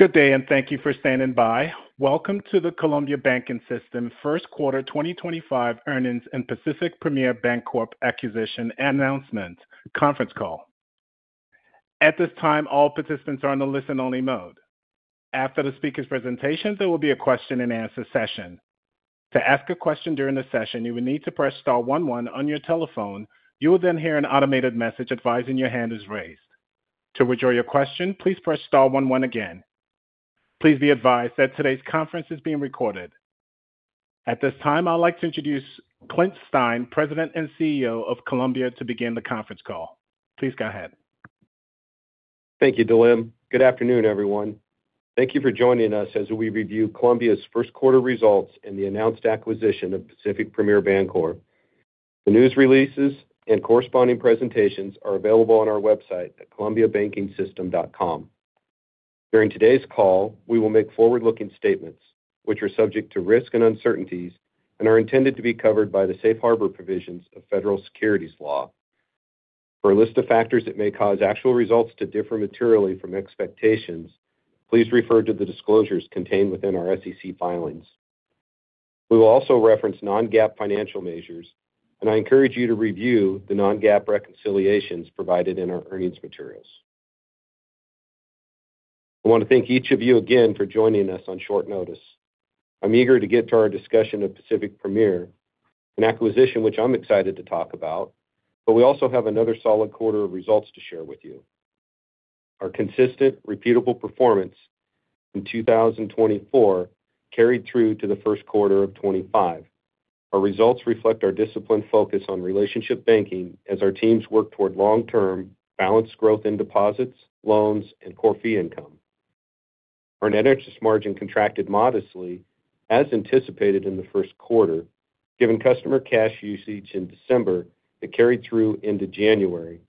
Good day, and thank you for standing by. Welcome to the Columbia Banking System First Quarter 2025 Earnings and Pacific Premier Bancorp Acquisition Announcement Conference Call. At this time, all participants are on a listen-only mode. After the speaker's presentation, there will be a question-and-answer session. To ask a question during the session, you will need to press Star one one on your telephone. You will then hear an automated message advising your hand is raised. To withdraw your question, please press Star one one again. Please be advised that today's conference is being recorded. At this time, I'd like to introduce Clint Stein, President and CEO of Columbia, to begin the conference call. Please go ahead. Thank you, Dylan. Good afternoon, everyone. Thank you for joining us as we review Columbia's first quarter results and the announced acquisition of Pacific Premier Bancorp. The news releases and corresponding presentations are available on our website at columbiabankingsystem.com. During today's call, we will make forward-looking statements, which are subject to risk and uncertainties and are intended to be covered by the safe harbor provisions of federal securities law. For a list of factors that may cause actual results to differ materially from expectations, please refer to the disclosures contained within our SEC filings. We will also reference non-GAAP financial measures, and I encourage you to review the non-GAAP reconciliations provided in our earnings materials. I want to thank each of you again for joining us on short notice. I'm eager to get to our discussion of Pacific Premier, an acquisition which I'm excited to talk about, but we also have another solid quarter of results to share with you. Our consistent, repeatable performance in 2024 carried through to the first quarter of 2025. Our results reflect our disciplined focus on relationship banking as our teams work toward long-term balanced growth in deposits, loans, and core fee income. Our net interest margin contracted modestly, as anticipated in the first quarter, given customer cash usage in December that carried through into January.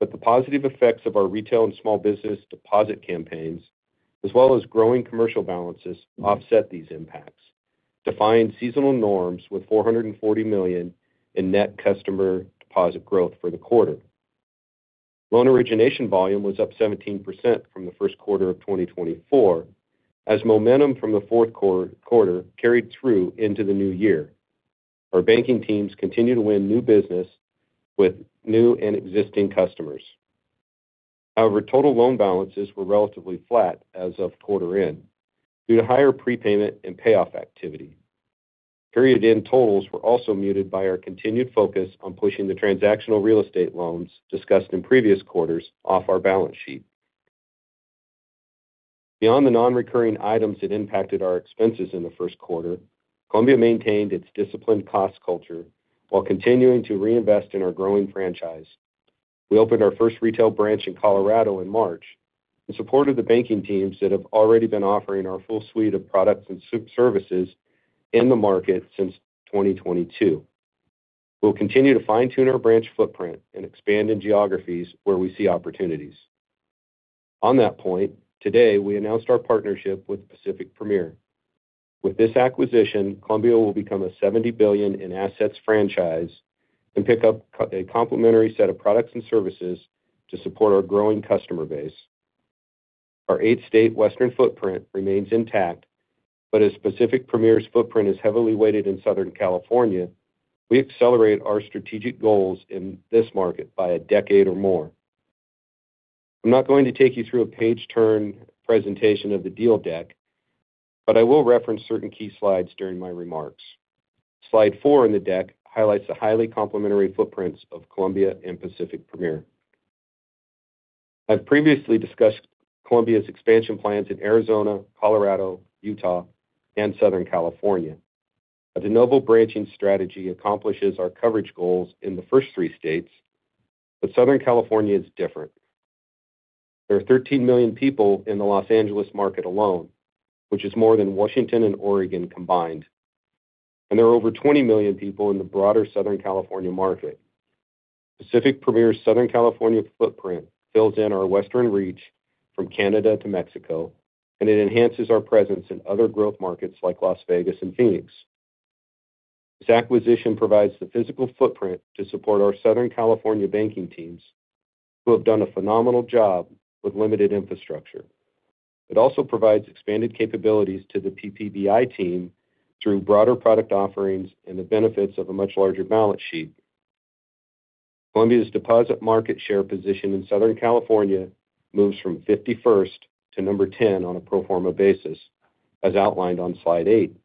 The positive effects of our retail and small business deposit campaigns, as well as growing commercial balances, offset these impacts, defying seasonal norms with $440 million in net customer deposit growth for the quarter. Loan origination volume was up 17% from the first quarter of 2024, as momentum from the fourth quarter carried through into the new year. Our banking teams continue to win new business with new and existing customers. However, total loan balances were relatively flat as of quarter end due to higher prepayment and payoff activity. Period-end totals were also muted by our continued focus on pushing the transactional real estate loans discussed in previous quarters off our balance sheet. Beyond the non-recurring items that impacted our expenses in the first quarter, Columbia maintained its disciplined cost culture while continuing to reinvest in our growing franchise. We opened our first retail branch in Colorado in March and supported the banking teams that have already been offering our full suite of products and services in the market since 2022. We'll continue to fine-tune our branch footprint and expand in geographies where we see opportunities. On that point, today we announced our partnership with Pacific Premier. With this acquisition, Columbia will become a $70 billion in assets franchise and pick up a complementary set of products and services to support our growing customer base. Our eight-state western footprint remains intact, but as Pacific Premier's footprint is heavily weighted in Southern California, we accelerate our strategic goals in this market by a decade or more. I'm not going to take you through a page-turn presentation of the deal deck, but I will reference certain key slides during my remarks. Slide 4 in the deck highlights the highly complementary footprints of Columbia and Pacific Premier. I've previously discussed Columbia's expansion plans in Arizona, Colorado, Utah, and Southern California. The de novo branching strategy accomplishes our coverage goals in the first three states, but Southern California is different. There are 13 million people in the Los Angeles market alone, which is more than Washington and Oregon combined, and there are over 20 million people in the broader Southern California market. Pacific Premier's Southern California footprint builds in our western reach from Canada to Mexico, and it enhances our presence in other growth markets like Las Vegas and Phoenix. This acquisition provides the physical footprint to support our Southern California banking teams, who have done a phenomenal job with limited infrastructure. It also provides expanded capabilities to the PPBI team through broader product offerings and the benefits of a much larger balance sheet. Columbia's deposit market share position in Southern California moves from 51st to number 10 on a pro forma basis, as outlined on Slide 8.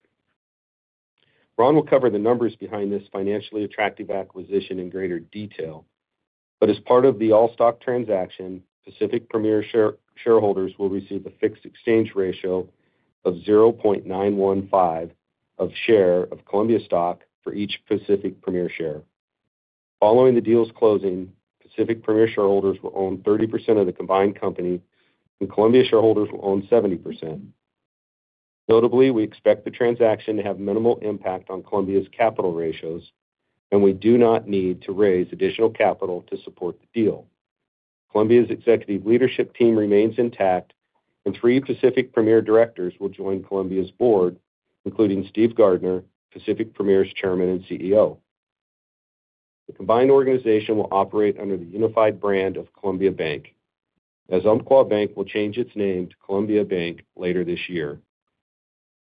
Ron will cover the numbers behind this financially attractive acquisition in greater detail, but as part of the all-stock transaction, Pacific Premier shareholders will receive a fixed exchange ratio of 0.915 of a share of Columbia stock for each Pacific Premier share. Following the deal's closing, Pacific Premier shareholders will own 30% of the combined company, and Columbia shareholders will own 70%. Notably, we expect the transaction to have minimal impact on Columbia's capital ratios, and we do not need to raise additional capital to support the deal. Columbia's executive leadership team remains intact, and three Pacific Premier directors will join Columbia's board, including Steve Gardner, Pacific Premier's chairman and CEO. The combined organization will operate under the unified brand of Columbia Bank, as Umpqua Bank will change its name to Columbia Bank later this year.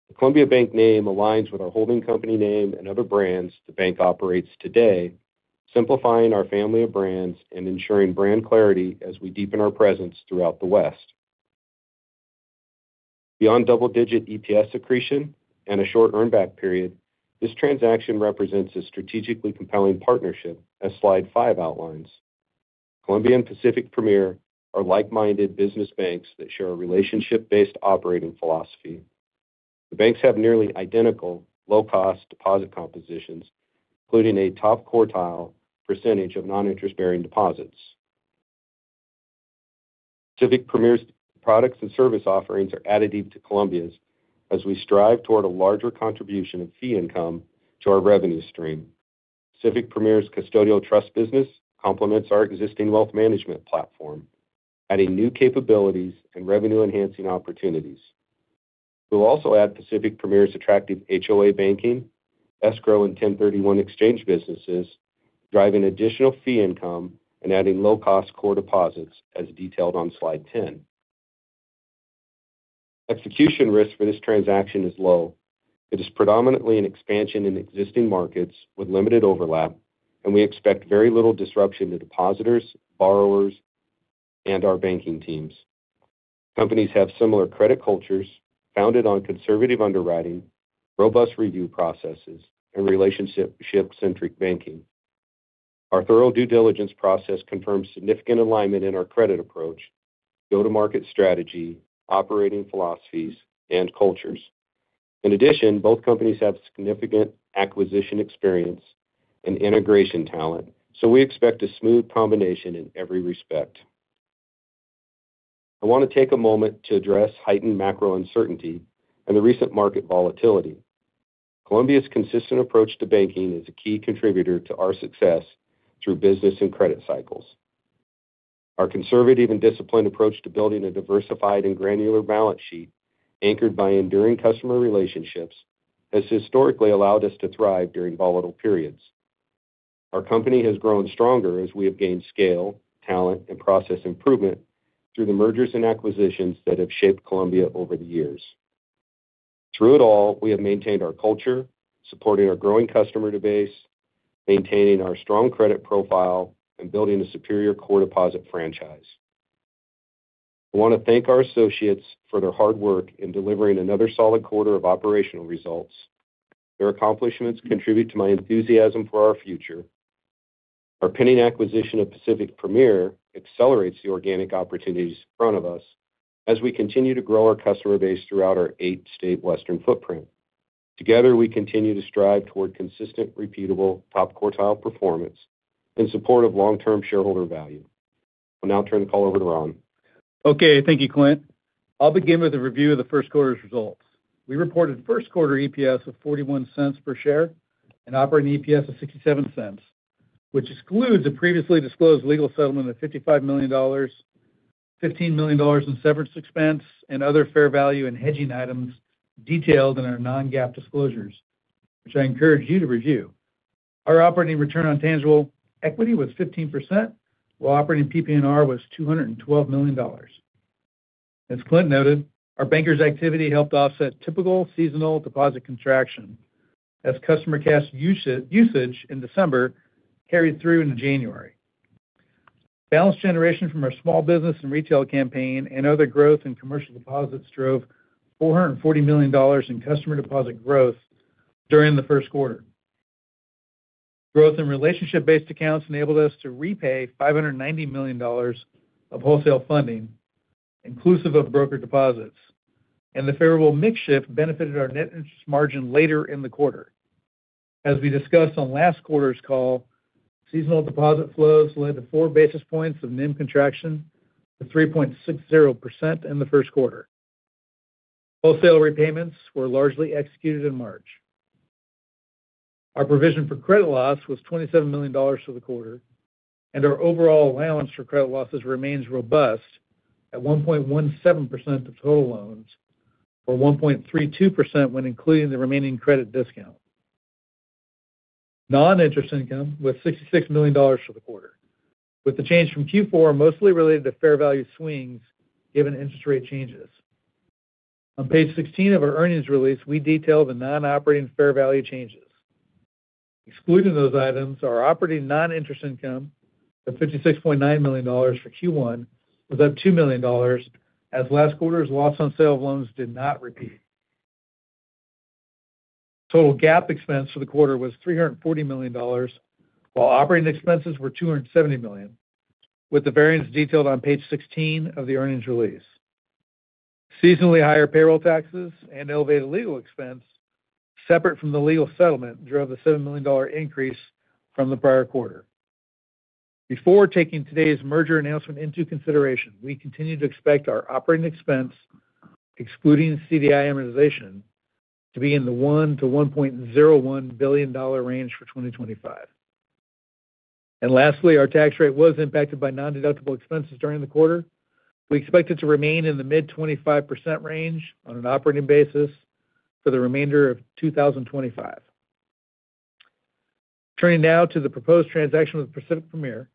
The Columbia Bank name aligns with our holding company name and other brands the bank operates today, simplifying our family of brands and ensuring brand clarity as we deepen our presence throughout the West. Beyond double-digit EPS accretion and a short earnback period, this transaction represents a strategically compelling partnership, as Slide 5 outlines. Columbia and Pacific Premier are like-minded business banks that share a relationship-based operating philosophy. The banks have nearly identical low-cost deposit compositions, including a top quartile percentage of non-interest-bearing deposits. Pacific Premier's products and service offerings are additive to Columbia's as we strive toward a larger contribution of fee income to our revenue stream. Pacific Premier's custodial trust business complements our existing wealth management platform, adding new capabilities and revenue-enhancing opportunities. We'll also add Pacific Premier's attractive HOA banking, escrow, and 1031 exchange businesses, driving additional fee income and adding low-cost core deposits, as detailed on Slide 10. Execution risk for this transaction is low. It is predominantly an expansion in existing markets with limited overlap, and we expect very little disruption to depositors, borrowers, and our banking teams. Companies have similar credit cultures founded on conservative underwriting, robust review processes, and relationship-centric banking. Our thorough due diligence process confirms significant alignment in our credit approach, go-to-market strategy, operating philosophies, and cultures. In addition, both companies have significant acquisition experience and integration talent, so we expect a smooth combination in every respect. I want to take a moment to address heightened macro uncertainty and the recent market volatility. Columbia's consistent approach to banking is a key contributor to our success through business and credit cycles. Our conservative and disciplined approach to building a diversified and granular balance sheet anchored by enduring customer relationships has historically allowed us to thrive during volatile periods. Our company has grown stronger as we have gained scale, talent, and process improvement through the mergers and acquisitions that have shaped Columbia over the years. Through it all, we have maintained our culture, supporting our growing customer base, maintaining our strong credit profile, and building a superior core deposit franchise. I want to thank our associates for their hard work in delivering another solid quarter of operational results. Their accomplishments contribute to my enthusiasm for our future. Our pending acquisition of Pacific Premier accelerates the organic opportunities in front of us as we continue to grow our customer base throughout our eight-state western footprint. Together, we continue to strive toward consistent, repeatable top quartile performance in support of long-term shareholder value. I'll now turn the call over to Ron. Okay, thank you, Clint. I'll begin with a review of the first quarter's results. We reported first quarter EPS of $0.41 per share and operating EPS of $0.67, which excludes a previously disclosed legal settlement of $55 million, $15 million in severance expense, and other fair value and hedging items detailed in our non-GAAP disclosures, which I encourage you to review. Our operating return on tangible equity was 15%, while operating PP&R was $212 million. As Clint noted, our bankers' activity helped offset typical seasonal deposit contraction as customer cash usage in December carried through into January. Balance generation from our small business and retail campaign and other growth in commercial deposits drove $440 million in customer deposit growth during the first quarter. Growth in relationship-based accounts enabled us to repay $590 million of wholesale funding, inclusive of brokered deposits, and the favorable mix shift benefited our net interest margin later in the quarter. As we discussed on last quarter's call, seasonal deposit flows led to four basis points of NIM contraction to 3.60% in the first quarter. Wholesale repayments were largely executed in March. Our provision for credit loss was $27 million for the quarter, and our overall allowance for credit losses remains robust at 1.17% of total loans or 1.32% when including the remaining credit discount. Non-interest income was $66 million for the quarter, with the change from Q4 mostly related to fair value swings given interest rate changes. On Page 16 of our earnings release, we detail the non-operating fair value changes. Excluding those items, our operating non-interest income of $56.9 million for Q1 was up $2 million, as last quarter's loss on sale of loans did not repeat. Total GAAP expense for the quarter was $340 million, while operating expenses were $270 million, with the variance detailed on Page 16 of the earnings release. Seasonally higher payroll taxes and elevated legal expense, separate from the legal settlement, drove the $7 million increase from the prior quarter. Before taking today's merger announcement into consideration, we continue to expect our operating expense, excluding CDI amortization, to be in the $1 billion-$1.01 billion range for 2025. Lastly, our tax rate was impacted by non-deductible expenses during the quarter. We expect it to remain in the mid-25% range on an operating basis for the remainder of 2025. Turning now to the proposed transaction with Pacific Premier,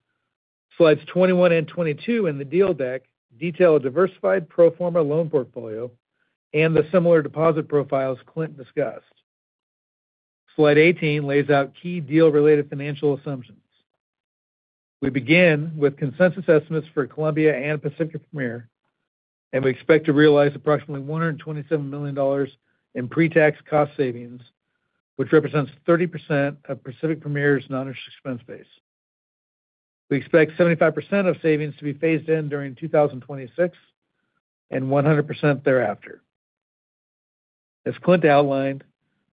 Slides 21 and 22 in the deal deck detail a diversified pro forma loan portfolio and the similar deposit profiles Clint discussed. Slide 18 lays out key deal-related financial assumptions. We begin with consensus estimates for Columbia and Pacific Premier, and we expect to realize approximately $127 million in pre-tax cost savings, which represents 30% of Pacific Premier's non-interest expense base. We expect 75% of savings to be phased in during 2026 and 100% thereafter. As Clint outlined,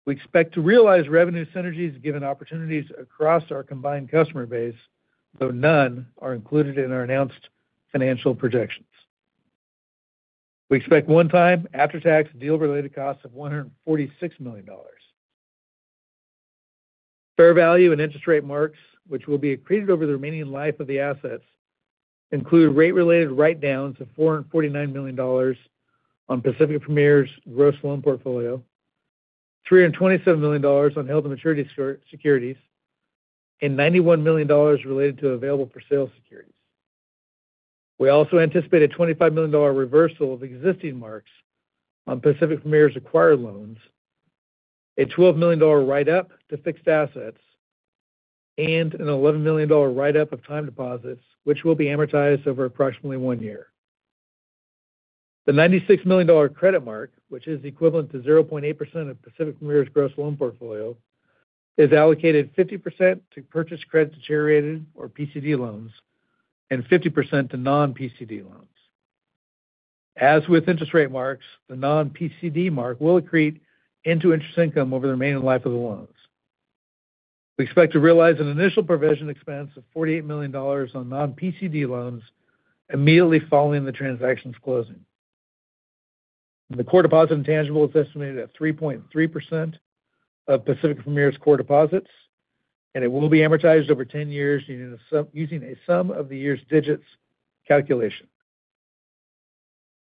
we expect to realize revenue synergies given opportunities across our combined customer base, though none are included in our announced financial projections. We expect one-time after-tax deal-related costs of $146 million. Fair value and interest rate marks, which will be accreted over the remaining life of the assets, include rate-related write-downs of $449 million on Pacific Premier's gross loan portfolio, $327 million on held-to-maturity securities, and $91 million related to available-for-sale securities. We also anticipate a $25 million reversal of existing marks on Pacific Premier's acquired loans, a $12 million write-up to fixed assets, and $1 million write-up of time deposits, which will be amortized over approximately one year. The $96 million credit mark, which is equivalent to 0.8% of Pacific Premier's gross loan portfolio, is allocated 50% to purchased credit deteriorated or PCD loans and 50% to non-PCD loans. As with interest rate marks, the non-PCD mark will accrete into interest income over the remaining life of the loans. We expect to realize an initial provision expense of $48 million on non-PCD loans immediately following the transaction's closing. The core deposit intangible is estimated at 3.3% of Pacific Premier's core deposits, and it will be amortized over 10 years using a sum-of-the-years-digits calculation.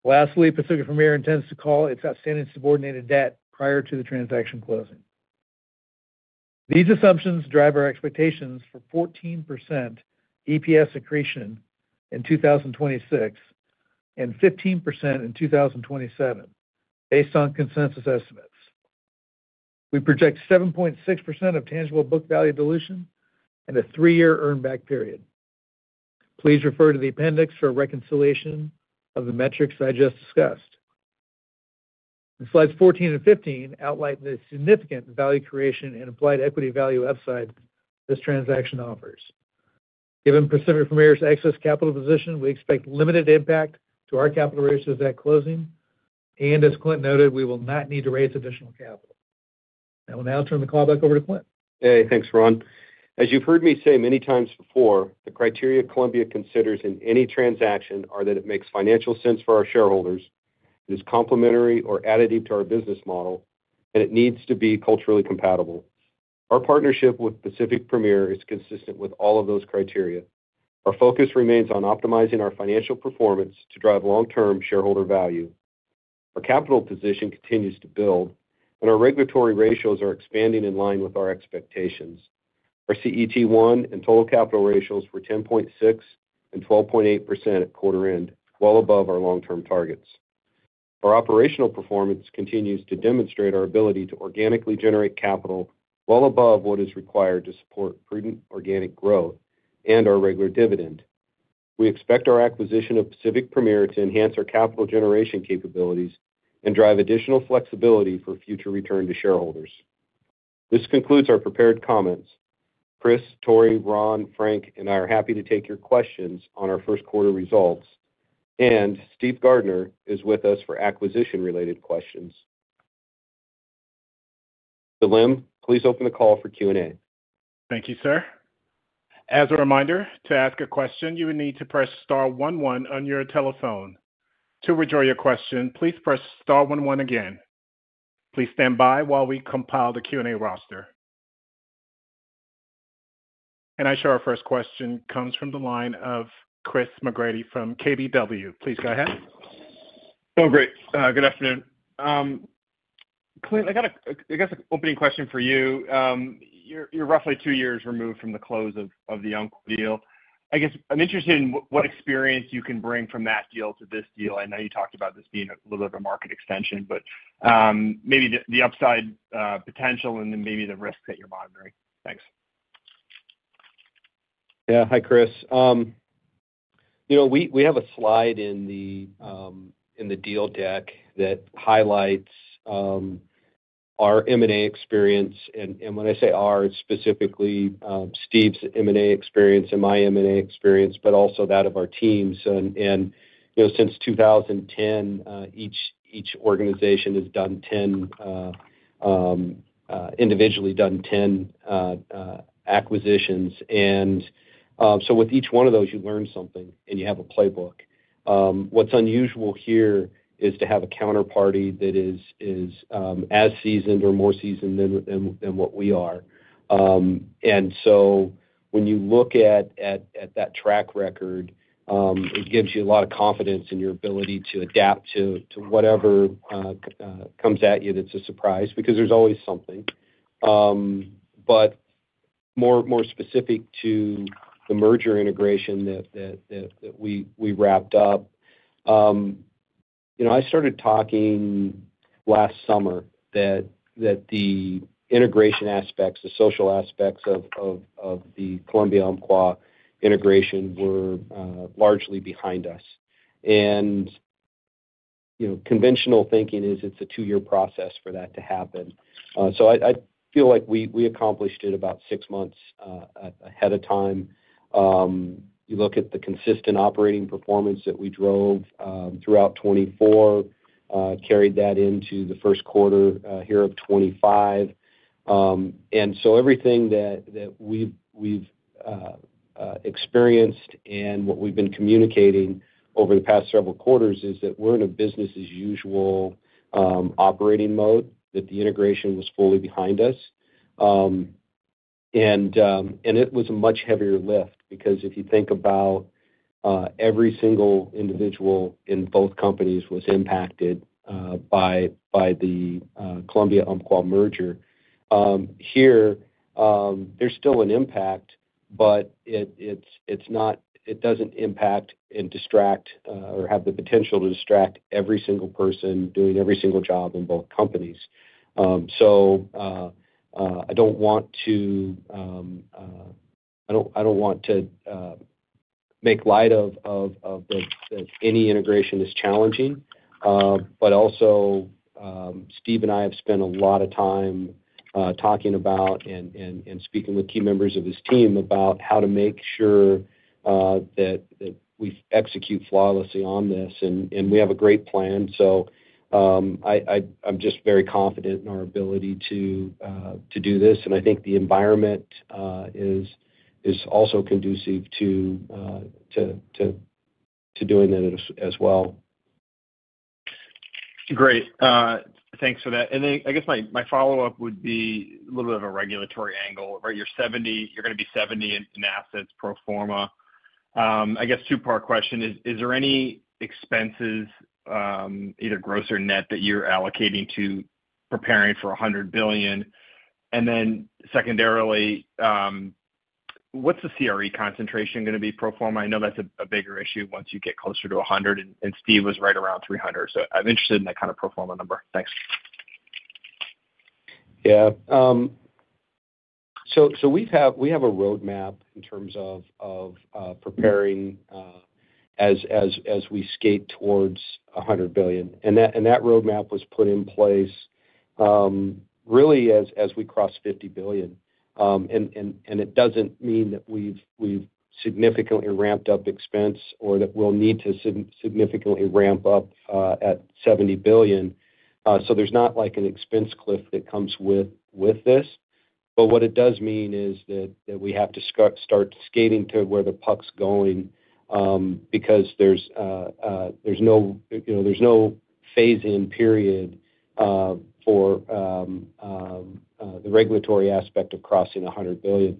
Lastly, Pacific Premier intends to call its outstanding subordinated debt prior to the transaction closing. These assumptions drive our expectations for 14% EPS accretion in 2026 and 15% in 2027, based on consensus estimates. We project 7.6% of tangible book value dilution and a three-year earnback period. Please refer to the Appendix for reconciliation of the metrics I just discussed. Slides 14 and 15 outline the significant value creation and implied equity value upside this transaction offers. Given Pacific Premier's excess capital position, we expect limited impact to our capital ratios at closing, and as Clint noted, we will not need to raise additional capital. I will now turn the call back over to Clint. Okay, thanks, Ron. As you've heard me say many times before, the criteria Columbia considers in any transaction are that it makes financial sense for our shareholders, it is complementary or additive to our business model, and it needs to be culturally compatible. Our partnership with Pacific Premier is consistent with all of those criteria. Our focus remains on optimizing our financial performance to drive long-term shareholder value. Our capital position continues to build, and our regulatory ratios are expanding in line with our expectations. Our CET1 and total capital ratios were 10.6% and 12.8% at quarter end, well above our long-term targets. Our operational performance continues to demonstrate our ability to organically generate capital well above what is required to support prudent organic growth and our regular dividend. We expect our acquisition of Pacific Premier to enhance our capital generation capabilities and drive additional flexibility for future return to shareholders. This concludes our prepared comments. Chris, Tory, Ron, Frank, and I are happy to take your questions on our first quarter results, and Steve Gardner is with us for acquisition-related questions. Dylan please open the call for Q&A. Thank you, sir. As a reminder, to ask a question, you would need to press star one one on your telephone. To withdraw your question, please press star one one again. Please stand by while we compile the Q&A roster. I show our first question comes from the line of Chris McGratty from KBW. Please go ahead. Oh, great. Good afternoon. Clint, I got a, I guess, an opening question for you. You're roughly two years removed from the close of the Umpqua deal. I guess I'm interested in what experience you can bring from that deal to this deal. I know you talked about this being a little bit of a market extension, but maybe the upside potential and then maybe the risks that you're monitoring. Thanks. Yeah, hi, Chris. You know, we have a slide in the deal deck that highlights our M&A experience. And when I say our, it's specifically Steve's M&A experience and my M&A experience, but also that of our teams. And since 2010, each organization has done 10, individually done 10 acquisitions. And so with each one of those, you learn something and you have a playbook. What's unusual here is to have a counterparty that is as seasoned or more seasoned than what we are. You know, when you look at that track record, it gives you a lot of confidence in your ability to adapt to whatever comes at you that's a surprise because there's always something. More specific to the merger integration that we wrapped up, you know, I started talking last summer that the integration aspects, the social aspects of the Columbia-Umpqua integration were largely behind us. Conventional thinking is it's a two-year process for that to happen. I feel like we accomplished it about six months ahead of time. You look at the consistent operating performance that we drove throughout 2024, carried that into the first quarter here of 2025. Everything that we've experienced and what we've been communicating over the past several quarters is that we're in a business-as-usual operating mode, that the integration was fully behind us. It was a much heavier lift because if you think about every single individual in both companies was impacted by the Columbia-Umpqua merger. Here, there's still an impact, but it doesn't impact and distract or have the potential to distract every single person doing every single job in both companies. I don't want to make light of that any integration is challenging. Steve and I have spent a lot of time talking about and speaking with key members of his team about how to make sure that we execute flawlessly on this. We have a great plan. I am just very confident in our ability to do this. I think the environment is also conducive to doing that as well. Great. Thanks for that. I guess my follow-up would be a little bit of a regulatory angle, right? You're going to be $70 billion in assets pro forma. I guess two-part question is, is there any expenses, either gross or net, that you're allocating to preparing for $100 billion? Secondarily, what's the CRE concentration going to be pro forma? I know that's a bigger issue once you get closer to $100 billion, and Steve was right around 300. I'm interested in that kind of pro forma number. Thanks. Yeah. We have a roadmap in terms of preparing as we skate towards $100 billion. That roadmap was put in place really as we crossed $50 billion. It does not mean that we have significantly ramped up expense or that we will need to significantly ramp up at $70 billion. There is not an expense cliff that comes with this. What it does mean is that we have to start skating to where the puck is going because there is no phase-in period for the regulatory aspect of crossing $100 billion.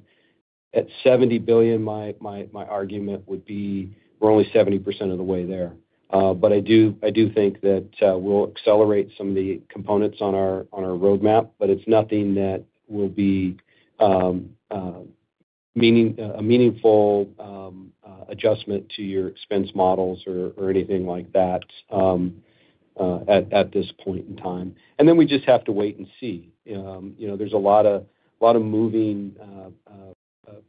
At $70 billion, my argument would be we are only 70% of the way there. I do think that we will accelerate some of the components on our roadmap, but it is nothing that will be a meaningful adjustment to your expense models or anything like that at this point in time. We just have to wait and see. There's a lot of moving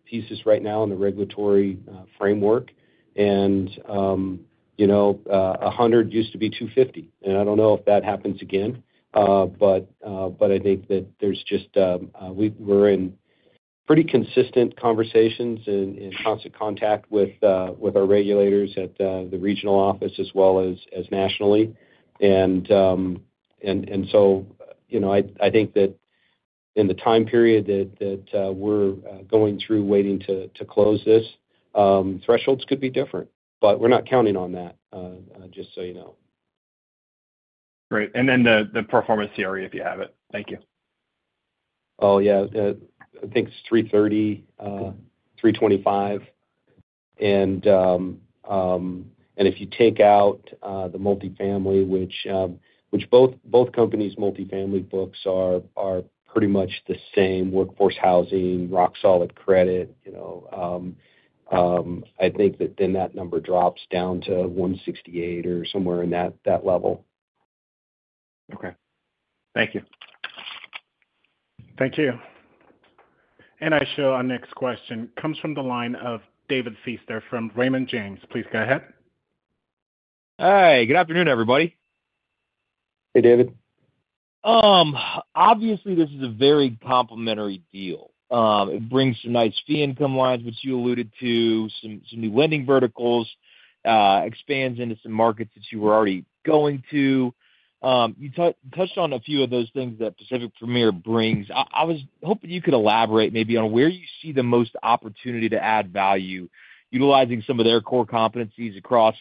pieces right now in the regulatory framework. And $100 used to be $250. I don't know if that happens again, but I think that there's just, we're in pretty consistent conversations and constant contact with our regulators at the regional office as well as nationally. I think that in the time period that we're going through waiting to close this, thresholds could be different, but we're not counting on that, just so you know. Great. Then the pro forma CRE, if you have it. Thank you. Oh, yeah. I think it's 330, 325. If you take out the multifamily, which both companies' multifamily books are pretty much the same: workforce housing, rock-solid credit. I think that then that number drops down to 168 or somewhere in that level. Okay. Thank you. Thank you. I show our next question comes from the line of David Feaster from Raymond James. Please go ahead. Hi. Good afternoon, everybody. Hey, David. Obviously, this is a very complementary deal. It brings some nice fee income lines, which you alluded to, some new lending verticals, expands into some markets that you were already going to. You touched on a few of those things that Pacific Premier brings. I was hoping you could elaborate maybe on where you see the most opportunity to add value, utilizing some of their core competencies across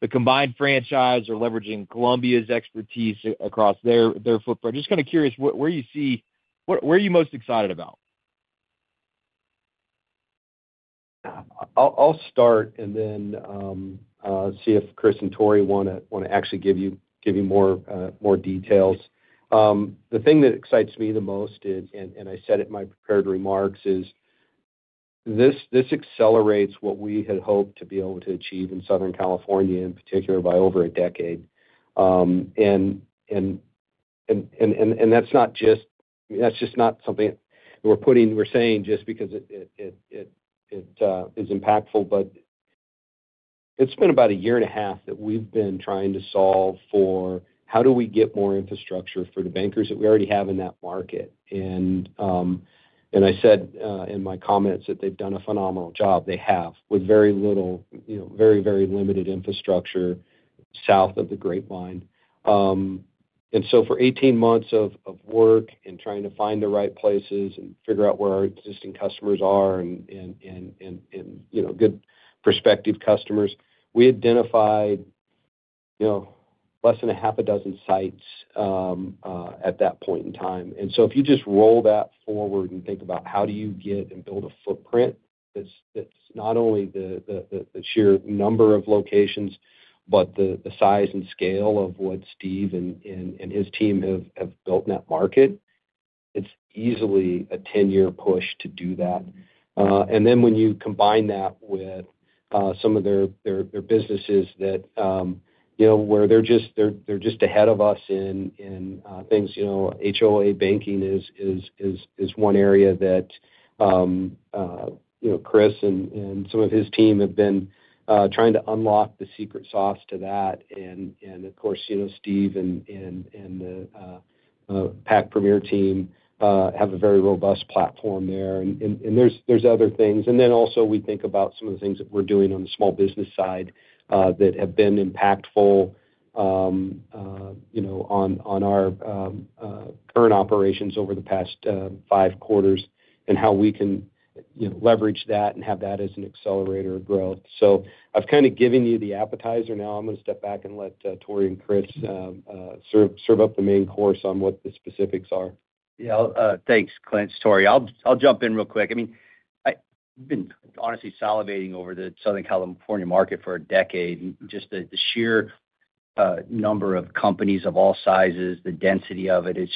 the combined franchise or leveraging Columbia's expertise across their footprint. Just kind of curious where you see, where are you most excited about? I'll start and then see if Chris and Tory want to actually give you more details. The thing that excites me the most, and I said it in my prepared remarks, is this accelerates what we had hoped to be able to achieve in Southern California, in particular, by over a decade. That is not just, that is just not something we're saying just because it is impactful, but it's been about a year and a half that we've been trying to solve for how do we get more infrastructure for the bankers that we already have in that market. I said in my comments that they've done a phenomenal job. They have with very little, very, very limited infrastructure south of the Grapevine. For 18 months of work and trying to find the right places and figure out where our existing customers are and good prospective customers, we identified less than half-a-dozen sites at that point in time. If you just roll that forward and think about how you get and build a footprint that's not only the sheer number of locations, but the size and scale of what Steve and his team have built in that market, it's easily a 10-year push to do that. When you combine that with some of their businesses where they're just ahead of us in things, HOA banking is one area that Chris and some of his team have been trying to unlock the secret sauce to that. Of course, Steve and the Pacific Premier team have a very robust platform there. There are other things. Also, we think about some of the things that we are doing on the small business side that have been impactful on our current operations over the past five quarters and how we can leverage that and have that as an accelerator of growth. I have kind of given you the appetizer now. I am going to step back and let Tory and Chris serve up the main course on what the specifics are. Yeah. Thanks, Clint, Tory. I'll jump in real quick. I mean, I've been honestly salivating over the Southern California market for a decade. Just the sheer number of companies of all sizes, the density of it, it's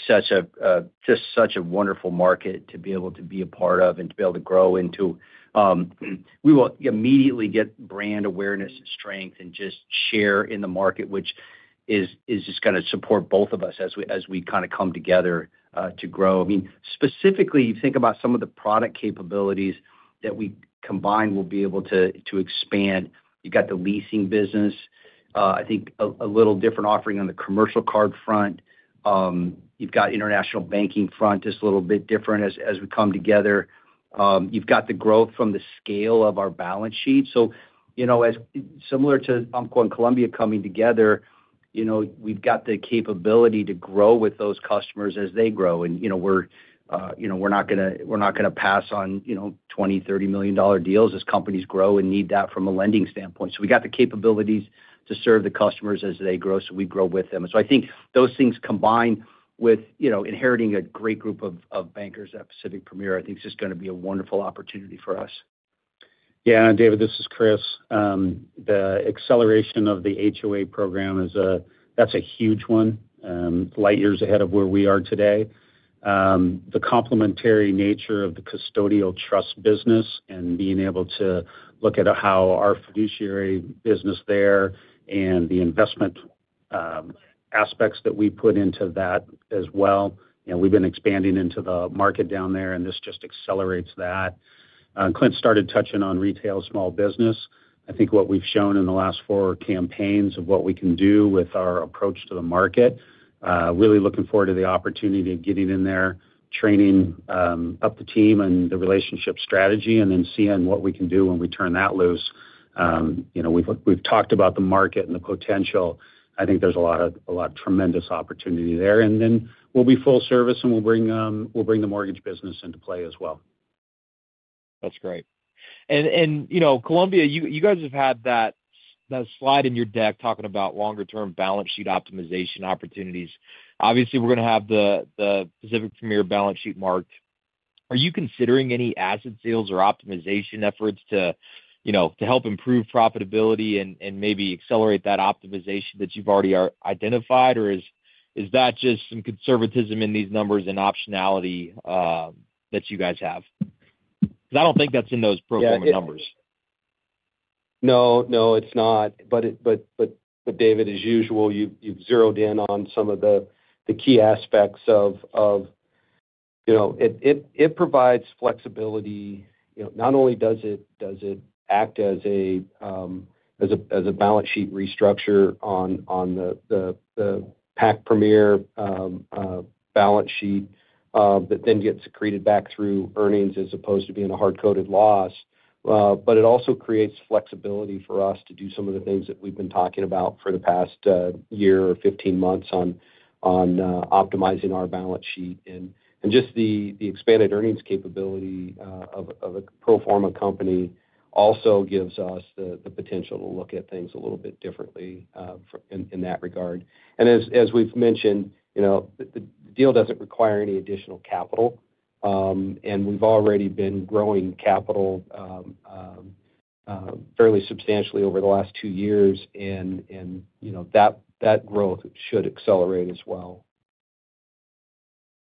just such a wonderful market to be able to be a part of and to be able to grow into. We will immediately get brand awareness and strength and just share in the market, which is just going to support both of us as we kind of come together to grow. I mean, specifically, you think about some of the product capabilities that we combined will be able to expand. You've got the leasing business. I think a little different offering on the commercial card front. You've got international banking front, just a little bit different as we come together. You've got the growth from the scale of our balance sheet. Similar to Umpqua and Columbia coming together, we've got the capability to grow with those customers as they grow. We're not going to pass on $20 million-$30 million deals as companies grow and need that from a lending standpoint. We have the capabilities to serve the customers as they grow, so we grow with them. I think those things combined with inheriting a great group of bankers at Pacific Premier, I think it's just going to be a wonderful opportunity for us. Yeah. David, this is Chris. The acceleration of the HOA program, that's a huge one. Light years ahead of where we are today. The complementary nature of the custodial trust business and being able to look at how our fiduciary business there and the investment aspects that we put into that as well. We've been expanding into the market down there, and this just accelerates that. Clint started touching on retail small business. I think what we've shown in the last four campaigns of what we can do with our approach to the market. Really looking forward to the opportunity of getting in there, training up the team and the relationship strategy, and then seeing what we can do when we turn that loose. We've talked about the market and the potential. I think there's a lot of tremendous opportunity there. We will be full service, and we'll bring the mortgage business into play as well. That's great. Columbia, you guys have had that slide in your deck talking about longer-term balance sheet optimization opportunities. Obviously, we're going to have the Pacific Premier balance sheet marked. Are you considering any asset sales or optimization efforts to help improve profitability and maybe accelerate that optimization that you've already identified? Is that just some conservatism in these numbers and optionality that you guys have? I don't think that's in those programming numbers. Yeah. No, no, it's not. David, as usual, you've zeroed in on some of the key aspects of it. It provides flexibility. Not only does it act as a balance sheet restructure on the Pacific Premier balance sheet that then gets secreted back through earnings as opposed to being a hard-coded loss, it also creates flexibility for us to do some of the things that we've been talking about for the past year or 15 months on optimizing our balance sheet. Just the expanded earnings capability of a pro forma company also gives us the potential to look at things a little bit differently in that regard. As we've mentioned, the deal doesn't require any additional capital. We've already been growing capital fairly substantially over the last two years, and that growth should accelerate as well.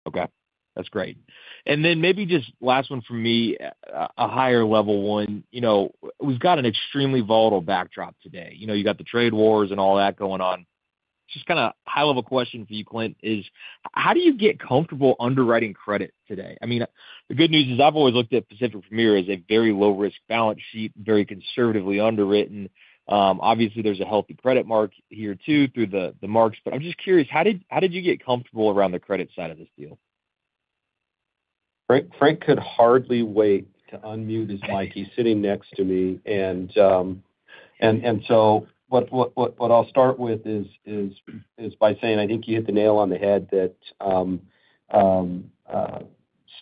Okay. That's great. Maybe just last one for me, a higher level one. We've got an extremely volatile backdrop today. You got the trade wars and all that going on. Just kind of high-level question for you, Clint, is how do you get comfortable underwriting credit today? I mean, the good news is I've always looked at Pacific Premier as a very low-risk balance sheet, very conservatively underwritten. Obviously, there's a healthy credit mark here too through the marks. I'm just curious, how did you get comfortable around the credit side of this deal? Frank could hardly wait to unmute his mic. He's sitting next to me. What I'll start with is by saying I think you hit the nail on the head that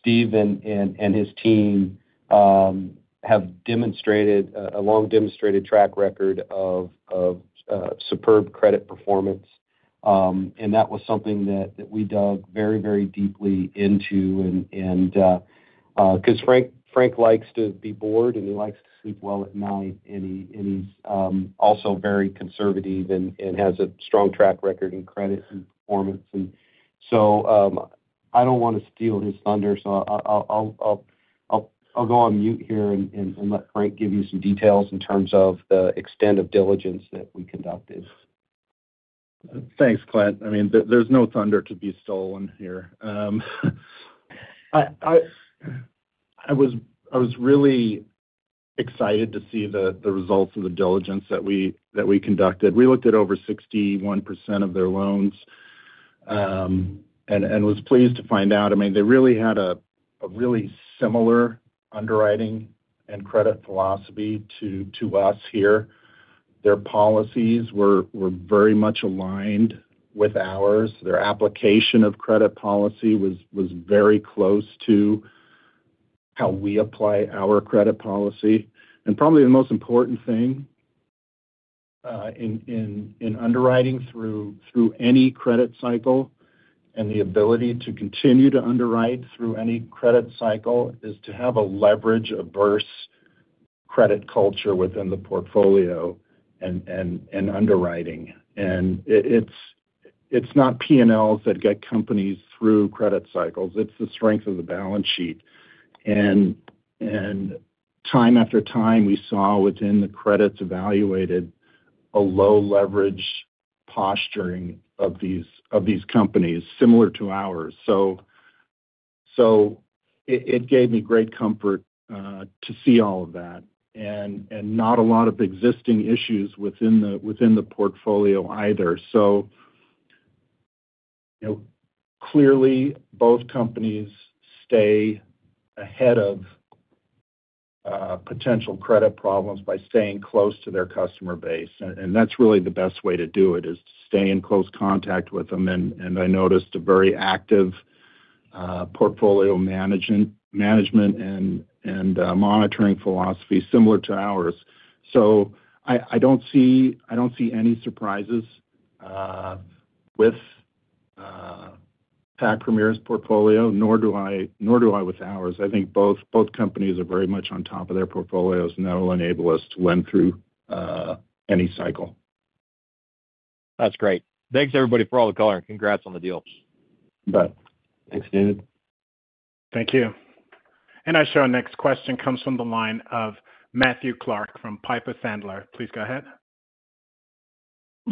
Steve and his team have demonstrated a long-demonstrated track record of superb credit performance. That was something that we dug very, very deeply into. Because Frank likes to be bored and he likes to sleep well at night, and he's also very conservative and has a strong track record in credit performance. I don't want to steal his thunder, so I'll go on mute here and let Frank give you some details in terms of the extent of diligence that we conducted. Thanks, Clint. I mean, there's no thunder to be stolen here. I was really excited to see the results of the diligence that we conducted. We looked at over 61% of their loans and was pleased to find out. I mean, they really had a really similar underwriting and credit philosophy to us here. Their policies were very much aligned with ours. Their application of credit policy was very close to how we apply our credit policy. Probably the most important thing in underwriting through any credit cycle and the ability to continue to underwrite through any credit cycle is to have a leverage-averse credit culture within the portfolio and underwriting. It's not P&Ls that get companies through credit cycles. It's the strength of the balance sheet. Time after time, we saw within the credits evaluated a low-leverage posturing of these companies similar to ours. It gave me great comfort to see all of that and not a lot of existing issues within the portfolio either. Clearly, both companies stay ahead of potential credit problems by staying close to their customer base. That's really the best way to do it, is to stay in close contact with them. I noticed a very active portfolio management and monitoring philosophy similar to ours. I do not see any surprises with Pacific Premier's portfolio, nor do I with ours. I think both companies are very much on top of their portfolios and that will enable us to win through any cycle. That's great. Thanks, everybody, for all the color. Congrats on the deal. Bye. Thanks, David. Thank you. I show our next question comes from the line of Matthew Clark from Piper Sandler. Please go ahead.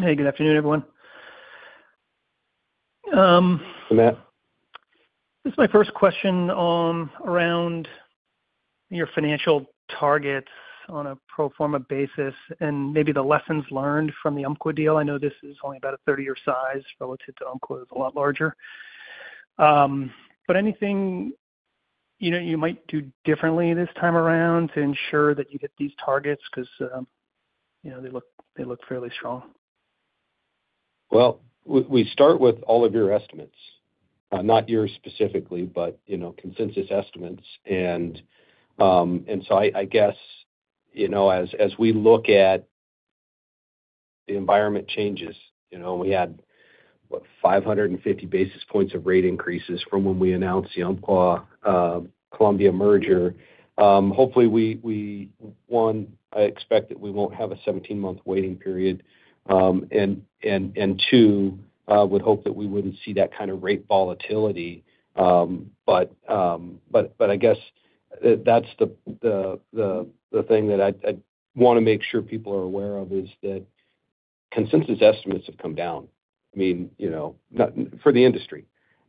Hey, good afternoon, everyone. Hey, Matt. This is my first question around your financial targets on a pro forma basis and maybe the lessons learned from the Umpqua deal. I know this is only about a 30-year size relative to Umpqua, a lot larger. Anything you might do differently this time around to ensure that you hit these targets because they look fairly strong? We start with all of your estimates, not yours specifically, but consensus estimates. I guess as we look at the environment changes, we had, what, 550 basis points of rate increases from when we announced the Umpqua-Columbia merger. Hopefully, one, I expect that we won't have a 17-month waiting period. Two, I would hope that we wouldn't see that kind of rate volatility. I guess that's the thing that I want to make sure people are aware of, is that consensus estimates have come down, I mean, for the industry.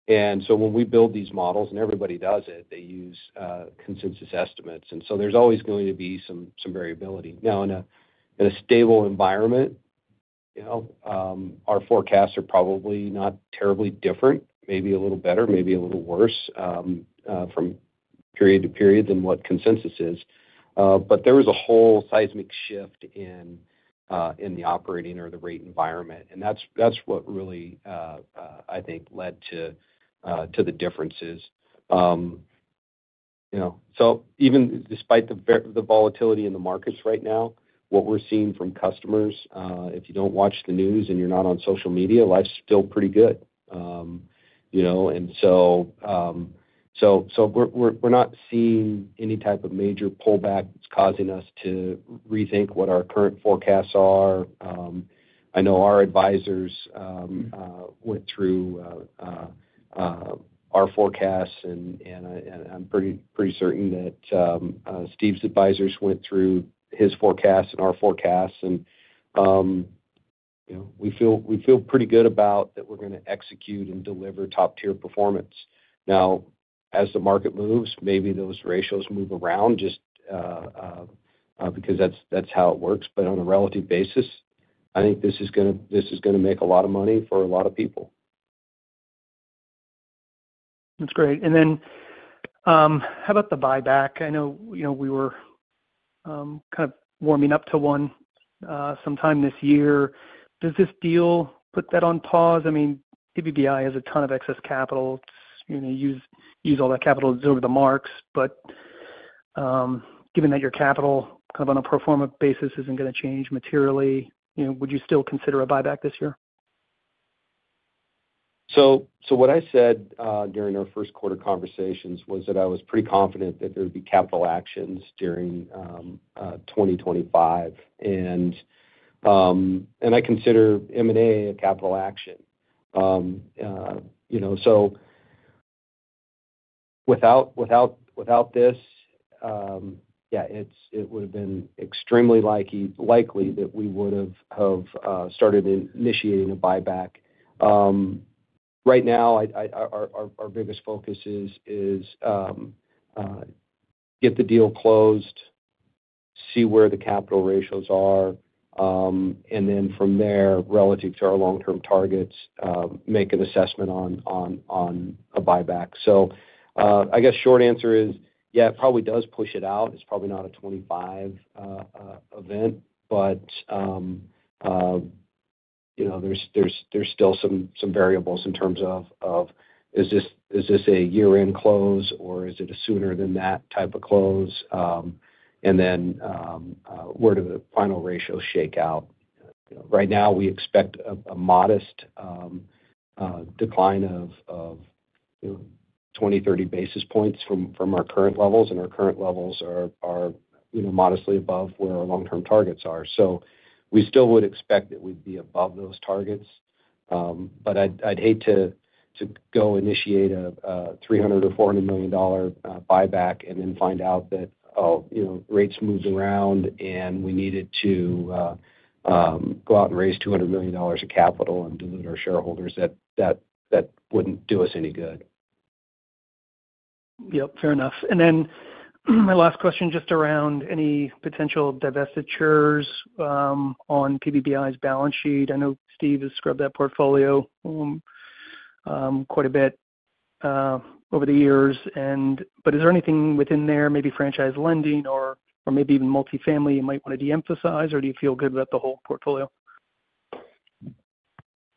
When we build these models and everybody does it, they use consensus estimates. There is always going to be some variability. In a stable environment, our forecasts are probably not terribly different, maybe a little better, maybe a little worse from period to period than what consensus is. There was a whole seismic shift in the operating or the rate environment. That is what really, I think, led to the differences. Even despite the volatility in the markets right now, what we are seeing from customers, if you do not watch the news and you are not on social media, life is still pretty good. We are not seeing any type of major pullback causing us to rethink what our current forecasts are. I know our advisors went through our forecasts, and I am pretty certain that Steve's advisors went through his forecasts and our forecasts. We feel pretty good about that we are going to execute and deliver top-tier performance. As the market moves, maybe those ratios move around just because that is how it works. On a relative basis, I think this is going to make a lot of money for a lot of people. That's great. How about the buyback? I know we were kind of warming up to one sometime this year. Does this deal put that on pause? I mean, PPBI has a ton of excess capital. You use all that capital to deliver the marks. Given that your capital kind of on a pro forma basis isn't going to change materially, would you still consider a buyback this year? What I said during our first quarter conversations was that I was pretty confident that there would be capital actions during 2025. I consider M&A a capital action. Without this, yeah, it would have been extremely likely that we would have started initiating a buyback. Right now, our biggest focus is get the deal closed, see where the capital ratios are, and then from there, relative to our long-term targets, make an assessment on a buyback. I guess short answer is, yeah, it probably does push it out. It's probably not a 2025 event, but there's still some variables in terms of, is this a year-end close or is it a sooner-than-that type of close? Where do the final ratios shake out? Right now, we expect a modest decline of 20-30 basis points from our current levels. Our current levels are modestly above where our long-term targets are. We still would expect that we'd be above those targets. I'd hate to go initiate a $300 million-$400 million buyback and then find out that, oh, rates moving around and we needed to go out and raise $200 million of capital and dilute our shareholders. That would not do us any good. Yep, fair enough. My last question just around any potential divestitures on PPBI's balance sheet. I know Steve has scrubbed that portfolio quite a bit over the years. Is there anything within there, maybe franchise lending or maybe even multifamily you might want to de-emphasize, or do you feel good about the whole portfolio?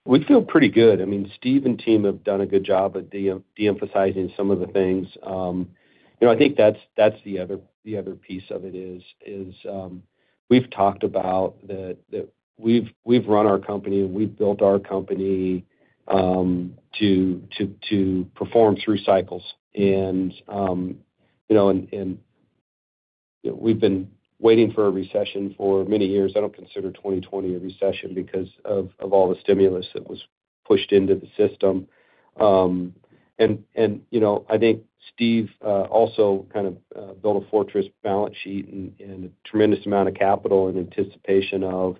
We feel pretty good. I mean, Steve and team have done a good job at de-emphasizing some of the things. I think that's the other piece of it, is we've talked about that we've run our company and we've built our company to perform three cycles. We've been waiting for a recession for many years. I don't consider 2020 a recession because of all the stimulus that was pushed into the system. I think Steve also kind of built a fortress balance sheet and a tremendous amount of capital in anticipation of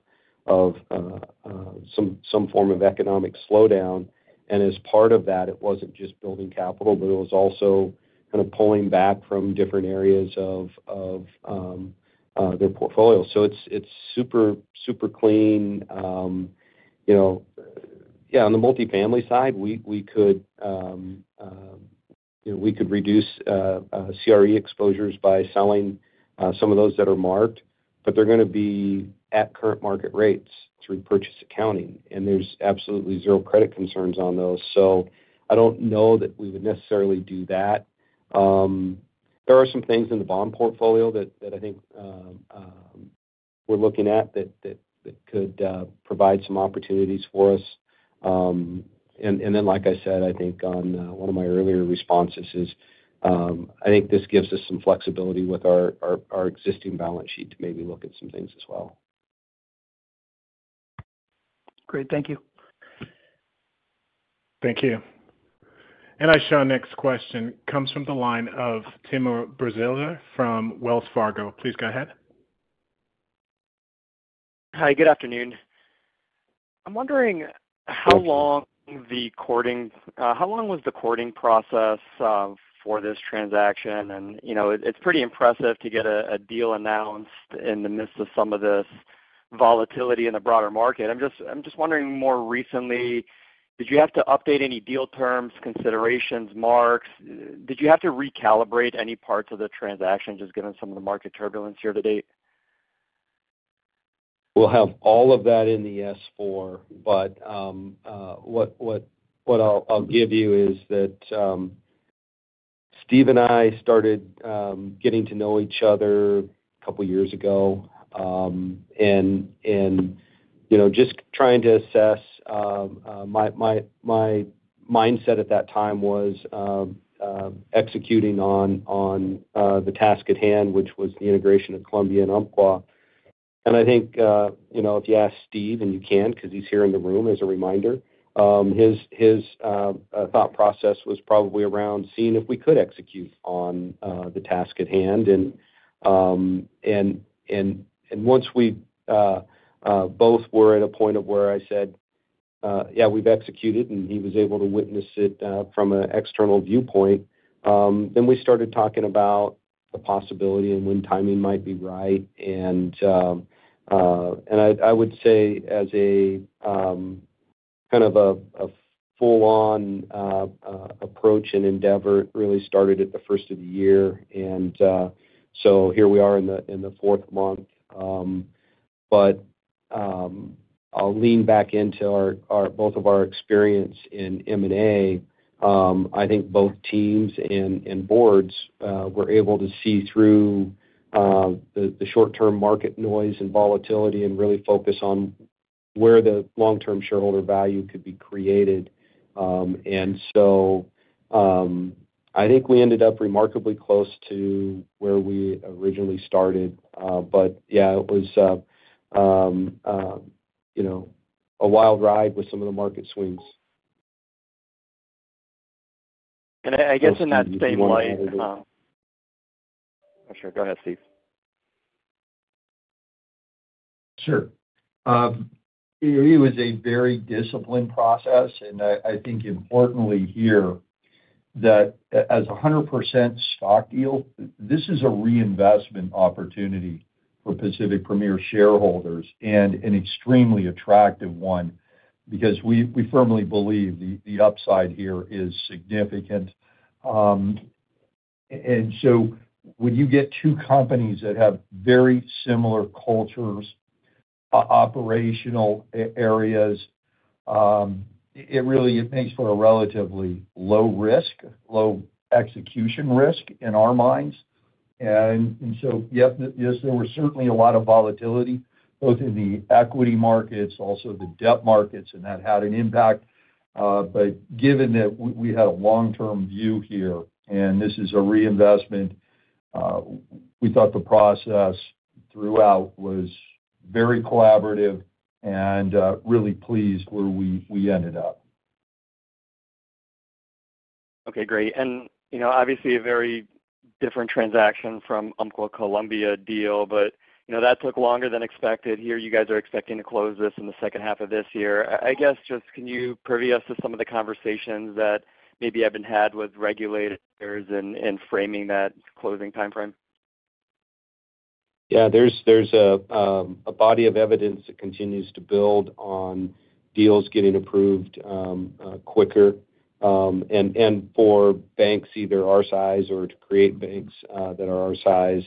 some form of economic slowdown. As part of that, it wasn't just building capital, but it was also kind of pulling back from different areas of their portfolio. It is super clean. Yeah, on the multifamily side, we could reduce CRE exposures by selling some of those that are marked, but they're going to be at current market rates through purchase accounting. There's absolutely zero credit concerns on those. I don't know that we would necessarily do that. There are some things in the bond portfolio that I think we're looking at that could provide some opportunities for us. Like I said, I think on one of my earlier responses, I think this gives us some flexibility with our existing balance sheet to maybe look at some things as well. Great. Thank you. Thank you. I show our next question comes from the line of Tim Braziler from Wells Fargo. Please go ahead. Hi, good afternoon. I'm wondering how long was the courting process for this transaction? It's pretty impressive to get a deal announced in the midst of some of this volatility in the broader market. I'm just wondering, more recently, did you have to update any deal terms, considerations, marks? Did you have to recalibrate any parts of the transaction just given some of the market turbulence here to date? We'll have all of that in the S-4. What I'll give you is that Steve and I started getting to know each other a couple of years ago. Just trying to assess, my mindset at that time was executing on the task at hand, which was the integration of Columbia and Umpqua. I think if you ask Steve, and you can because he's here in the room as a reminder, his thought process was probably around seeing if we could execute on the task at hand. Once we both were at a point of where I said, "Yeah, we've executed," and he was able to witness it from an external viewpoint, we started talking about the possibility and when timing might be right. I would say as a kind of a full-on approach and endeavor really started at the first of the year. Here we are in the fourth month. I'll lean back into both of our experience in M&A. I think both teams and boards were able to see through the short-term market noise and volatility and really focus on where the long-term shareholder value could be created. I think we ended up remarkably close to where we originally started. Yeah, it was a wild ride with some of the market swings. I guess in that same light. I'm sorry. Go ahead, Steve. Sure. It was a very disciplined process. I think importantly here that as a 100% stock deal, this is a reinvestment opportunity for Pacific Premier shareholders and an extremely attractive one because we firmly believe the upside here is significant. When you get two companies that have very similar cultures, operational areas, it really makes for a relatively low risk, low execution risk in our minds. Yes, there were certainly a lot of volatility, both in the equity markets, also the debt markets, and that had an impact. Given that we have a long-term view here and this is a reinvestment, we thought the process throughout was very collaborative and really pleased where we ended up. Okay, great. Obviously, a very different transaction from the Umpqua-Columbia deal, but that took longer than expected. Here, you guys are expecting to close this in the second half of this year. I guess just can you preview us to some of the conversations that maybe have been had with regulators and framing that closing timeframe? Yeah, there's a body of evidence that continues to build on deals getting approved quicker and for banks either our size or to create banks that are our size.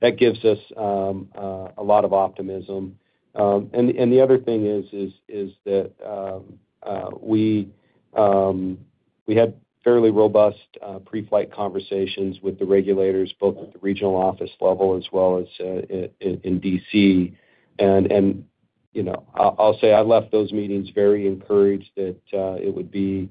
That gives us a lot of optimism. The other thing is that we had fairly robust pre-flight conversations with the regulators, both at the regional office level as well as in D.C. I'll say I left those meetings very encouraged that it would be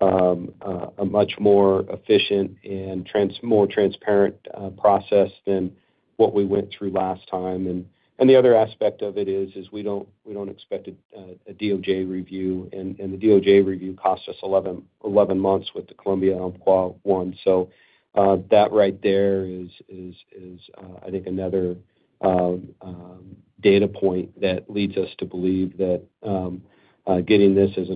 a much more efficient and more transparent process than what we went through last time. The other aspect of it is we do not expect a DOJ review. The DOJ review cost us 11 months with the Columbia-Umpqua one. That right there is, I think, another data point that leads us to believe that getting this as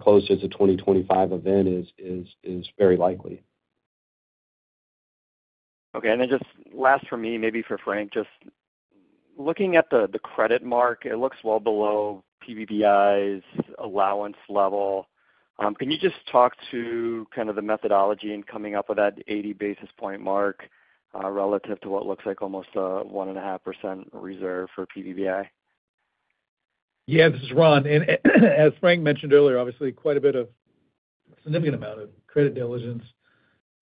close as a 2025 event is very likely. Okay. Just last for me, maybe for Frank, just looking at the credit mark, it looks well below PPBI's allowance level. Can you just talk to kind of the methodology in coming up with that 80 basis point mark relative to what looks like almost a 1.5% reserve for PPBI? Yeah, this is Ron. As Frank mentioned earlier, obviously, quite a bit of a significant amount of credit diligence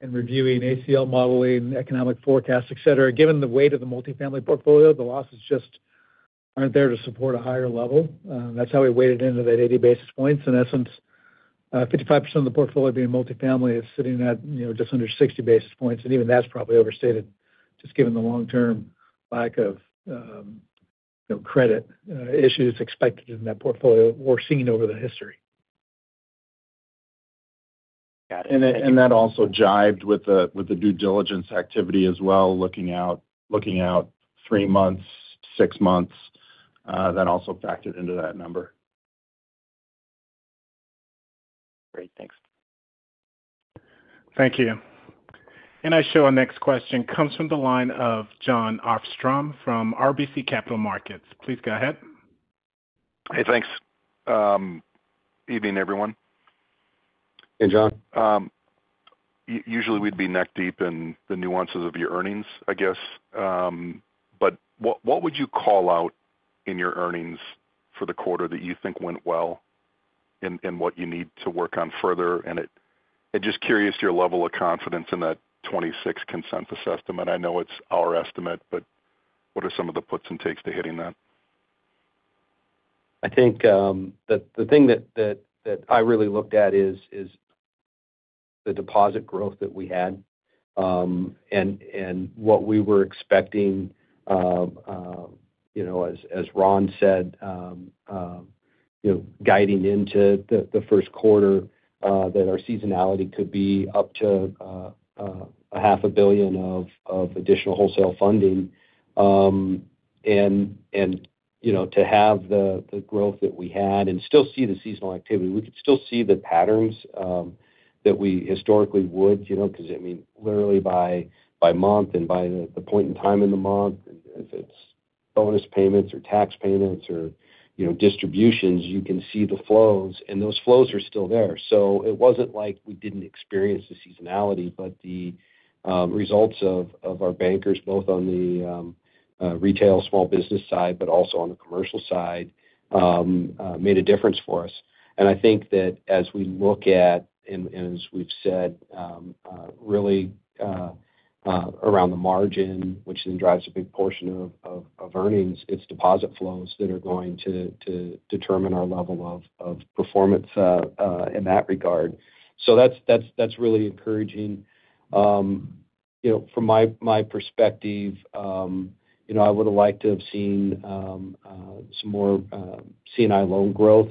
and reviewing ACL modeling, economic forecasts, etc. Given the weight of the multifamily portfolio, the losses just are not there to support a higher level. That is how we weighted into that 80 basis points. In essence, 55% of the portfolio being multifamily is sitting at just under 60 basis points. Even that is probably overstated just given the long-term lack of credit issues expected in that portfolio we are seeing over the history. Got it. That also jived with the due diligence activity as well, looking out three months, six months, that also factored into that number. Great. Thanks. Thank you. I show our next question comes from the line of Jon Arfstrom from RBC Capital Markets. Please go ahead. Hey, thanks. Good evening, everyone. Hey, Jon. Usually, we'd be neck-deep in the nuances of your earnings, I guess. What would you call out in your earnings for the quarter that you think went well and what you need to work on further? Just curious your level of confidence in that 26 consensus estimate. I know it's our estimate, but what are some of the puts and takes to hitting that? I think the thing that I really looked at is the deposit growth that we had and what we were expecting, as Ron said, guiding into the first quarter, that our seasonality could be up to $500,000,000 of additional wholesale funding. To have the growth that we had and still see the seasonal activity, we could still see the patterns that we historically would because, I mean, literally by month and by the point in time in the month, if it is bonus payments or tax payments or distributions, you can see the flows. Those flows are still there. It was not like we did not experience the seasonality, but the results of our bankers, both on the retail small business side, but also on the commercial side, made a difference for us. I think that as we look at, and as we've said, really around the margin, which then drives a big portion of earnings, it's deposit flows that are going to determine our level of performance in that regard. That's really encouraging. From my perspective, I would have liked to have seen some more C&I loan growth,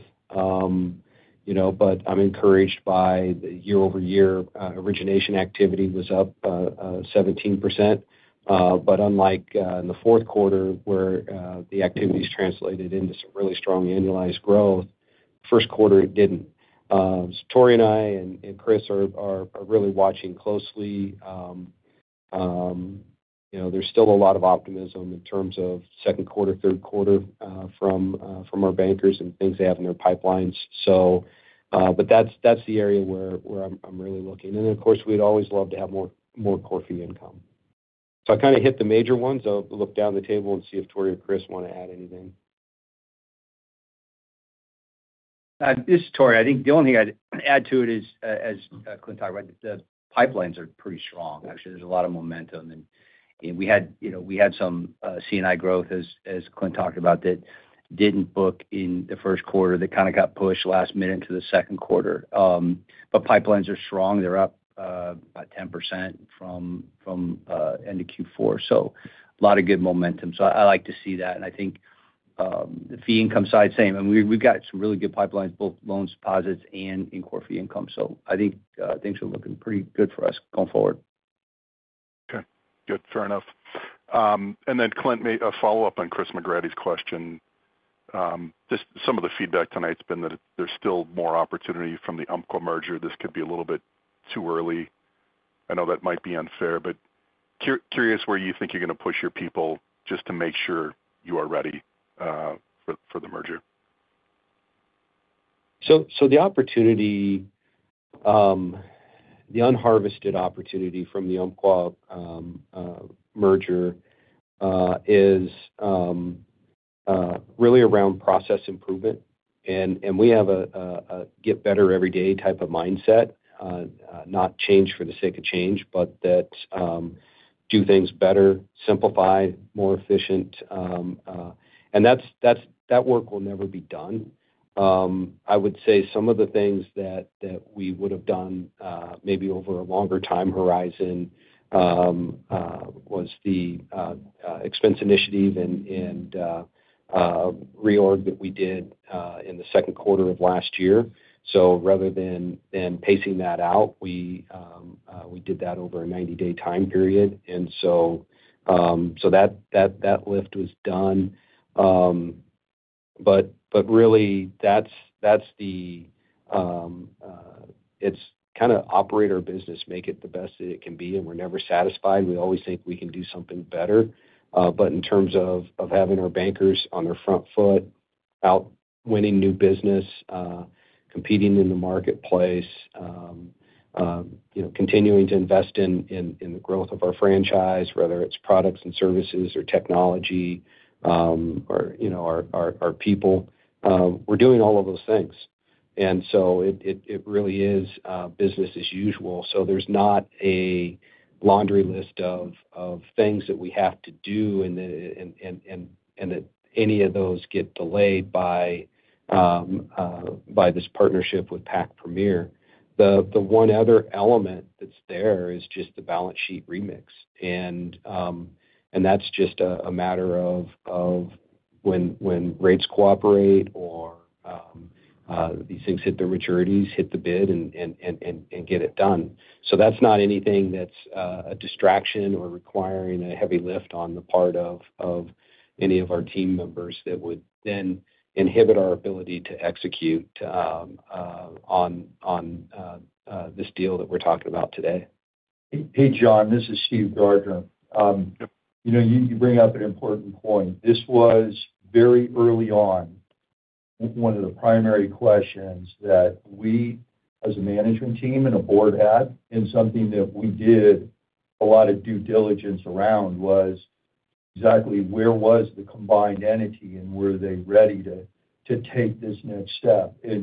but I'm encouraged by the year-over-year origination activity was up 17%. Unlike in the fourth quarter, where the activity translated into some really strong annualized growth, first quarter, it didn't. Tory and I and Chris are really watching closely. There's still a lot of optimism in terms of second quarter, third quarter from our bankers and things they have in their pipelines. That's the area where I'm really looking. Of course, we'd always love to have more corporate income. I kind of hit the major ones. I'll look down the table and see if Tory or Chris want to add anything. I think the only thing I'd add to it is, as Clint talked about, the pipelines are pretty strong. Actually, there's a lot of momentum. We had some C&I growth, as Clint talked about, that didn't book in the first quarter. They kind of got pushed last minute into the second quarter. Pipelines are strong. They're up about 10% from end of Q4. A lot of good momentum. I like to see that. I think the fee income side same. We've got some really good pipelines, both loans, deposits, and in core fee income. I think things are looking pretty good for us going forward. Okay. Good. Fair enough. Clint, a follow-up on Chris McGratty's question. Just some of the feedback tonight has been that there's still more opportunity from the Umpqua merger. This could be a little bit too early. I know that might be unfair, but curious where you think you're going to push your people just to make sure you are ready for the merger. The opportunity, the unharvested opportunity from the Umpqua merger is really around process improvement. We have a get better every day type of mindset, not change for the sake of change, but that do things better, simplify, more efficient. That work will never be done. I would say some of the things that we would have done maybe over a longer time horizon was the expense initiative and reorg that we did in the second quarter of last year. Rather than pacing that out, we did that over a 90-day time period. That lift was done. Really, that's the it's kind of operate our business, make it the best that it can be. We're never satisfied. We always think we can do something better. In terms of having our bankers on their front foot, out winning new business, competing in the marketplace, continuing to invest in the growth of our franchise, whether it's products and services or technology or our people, we're doing all of those things. It really is business as usual. There's not a laundry list of things that we have to do and that any of those get delayed by this partnership with Pac Premier. The one other element that's there is just the balance sheet remix. That's just a matter of when rates cooperate or these things hit their maturities, hit the bid and get it done. That's not anything that's a distraction or requiring a heavy lift on the part of any of our team members that would then inhibit our ability to execute on this deal that we're talking about today. Hey, Jon, this is Steve Gardner. You bring up an important point. This was very early on with one of the primary questions that we, as a management team and a board, had and something that we did a lot of due diligence around was exactly where was the combined entity and were they ready to take this next step. I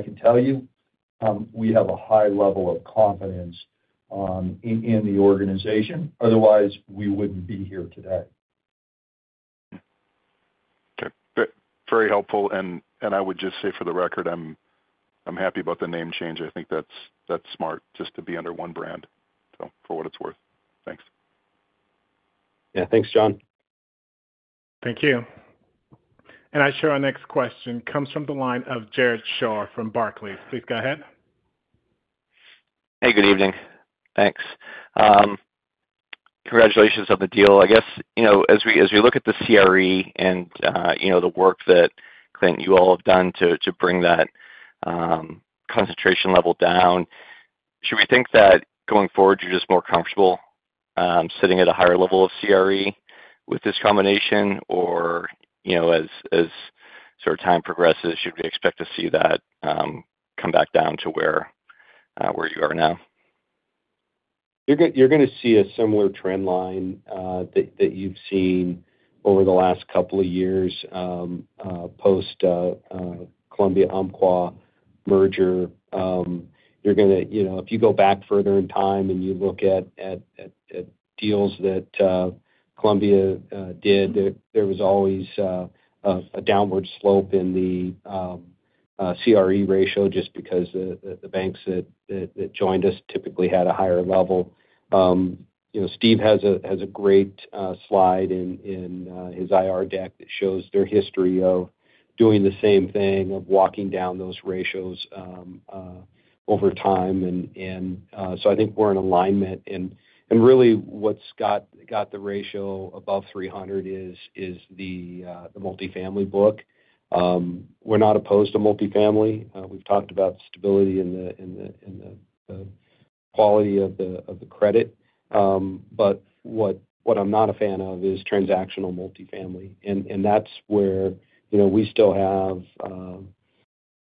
can tell you we have a high level of confidence in the organization. Otherwise, we wouldn't be here today. Okay. Very helpful. I would just say for the record, I'm happy about the name change. I think that's smart just to be under one brand for what it's worth. Thanks. Yeah. Thanks, Jon. Thank you. I show our next question comes from the line of Jared Shaw from Barclays. Please go ahead. Hey, good evening. Thanks. Congratulations on the deal. I guess as we look at the CRE and the work that Clint and you all have done to bring that concentration level down, should we think that going forward, you're just more comfortable sitting at a higher level of CRE with this combination? Or as sort of time progresses, should we expect to see that come back down to where you are now? You're going to see a similar trend line that you've seen over the last couple of years post-Columbia-Umpqua merger. You're going to, if you go back further in time and you look at deals that Columbia did, there was always a downward slope in the CRE ratio just because the banks that joined us typically had a higher level. Steve has a great slide in his IR deck that shows their history of doing the same thing of walking down those ratios over time. I think we're in alignment. Really, what's got the ratio above 300 is the multifamily book. We're not opposed to multifamily. We've talked about stability in the quality of the credit. What I'm not a fan of is transactional multifamily. That's where we still have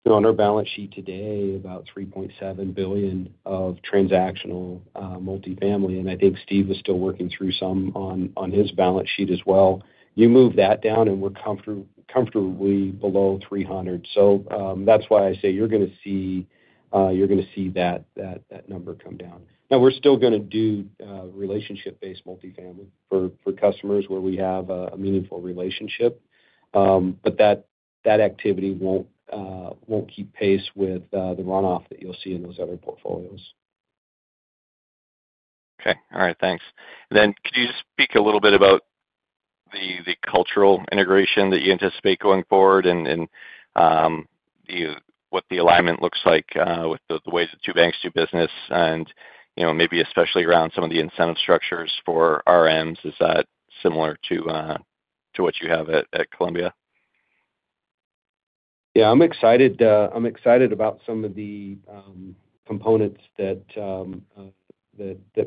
on our balance sheet today about $3.7 billion of transactional multifamily. I think Steve is still working through some on his balance sheet as well. You move that down and we're comfortably below 300. That's why I say you're going to see that number come down. Now, we're still going to do relationship-based multifamily for customers where we have a meaningful relationship. That activity won't keep pace with the runoff that you'll see in those other portfolios. Okay. All right. Thanks. Can you speak a little bit about the cultural integration that you anticipate going forward and what the alignment looks like with the way the two banks do business and maybe especially around some of the incentive structures for RMs? Is that similar to what you have at Columbia? Yeah. I'm excited about some of the components that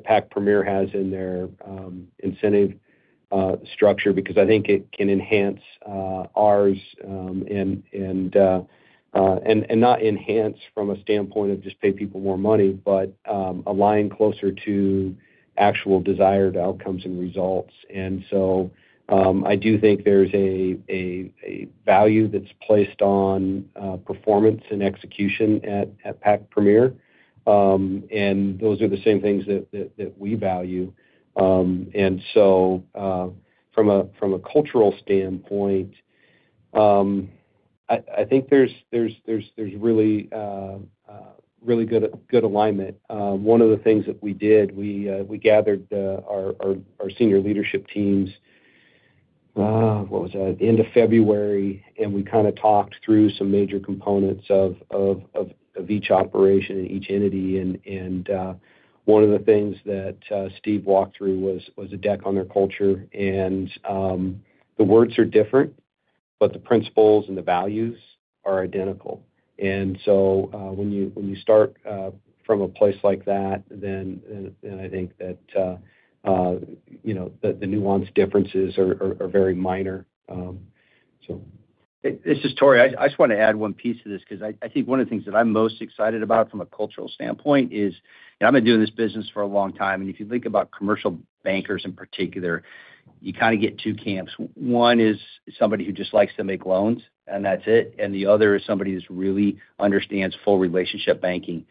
Pac Premier has in their incentive structure because I think it can enhance ours and not enhance from a standpoint of just pay people more money, but align closer to actual desired outcomes and results. I do think there's a value that's placed on performance and execution at Pac Premier. Those are the same things that we value. From a cultural standpoint, I think there's really good alignment. One of the things that we did, we gathered our senior leadership teams, what was that, end of February, and we kind of talked through some major components of each operation and each entity. One of the things that Steve walked through was a deck on their culture. The words are different, but the principles and the values are identical. When you start from a place like that, I think that the nuanced differences are very minor. This is Tory. I just want to add one piece to this because I think one of the things that I'm most excited about from a cultural standpoint is I've been doing this business for a long time. If you think about commercial bankers in particular, you kind of get two camps. One is somebody who just likes to make loans, and that's it. The other is somebody who really understands full relationship banking.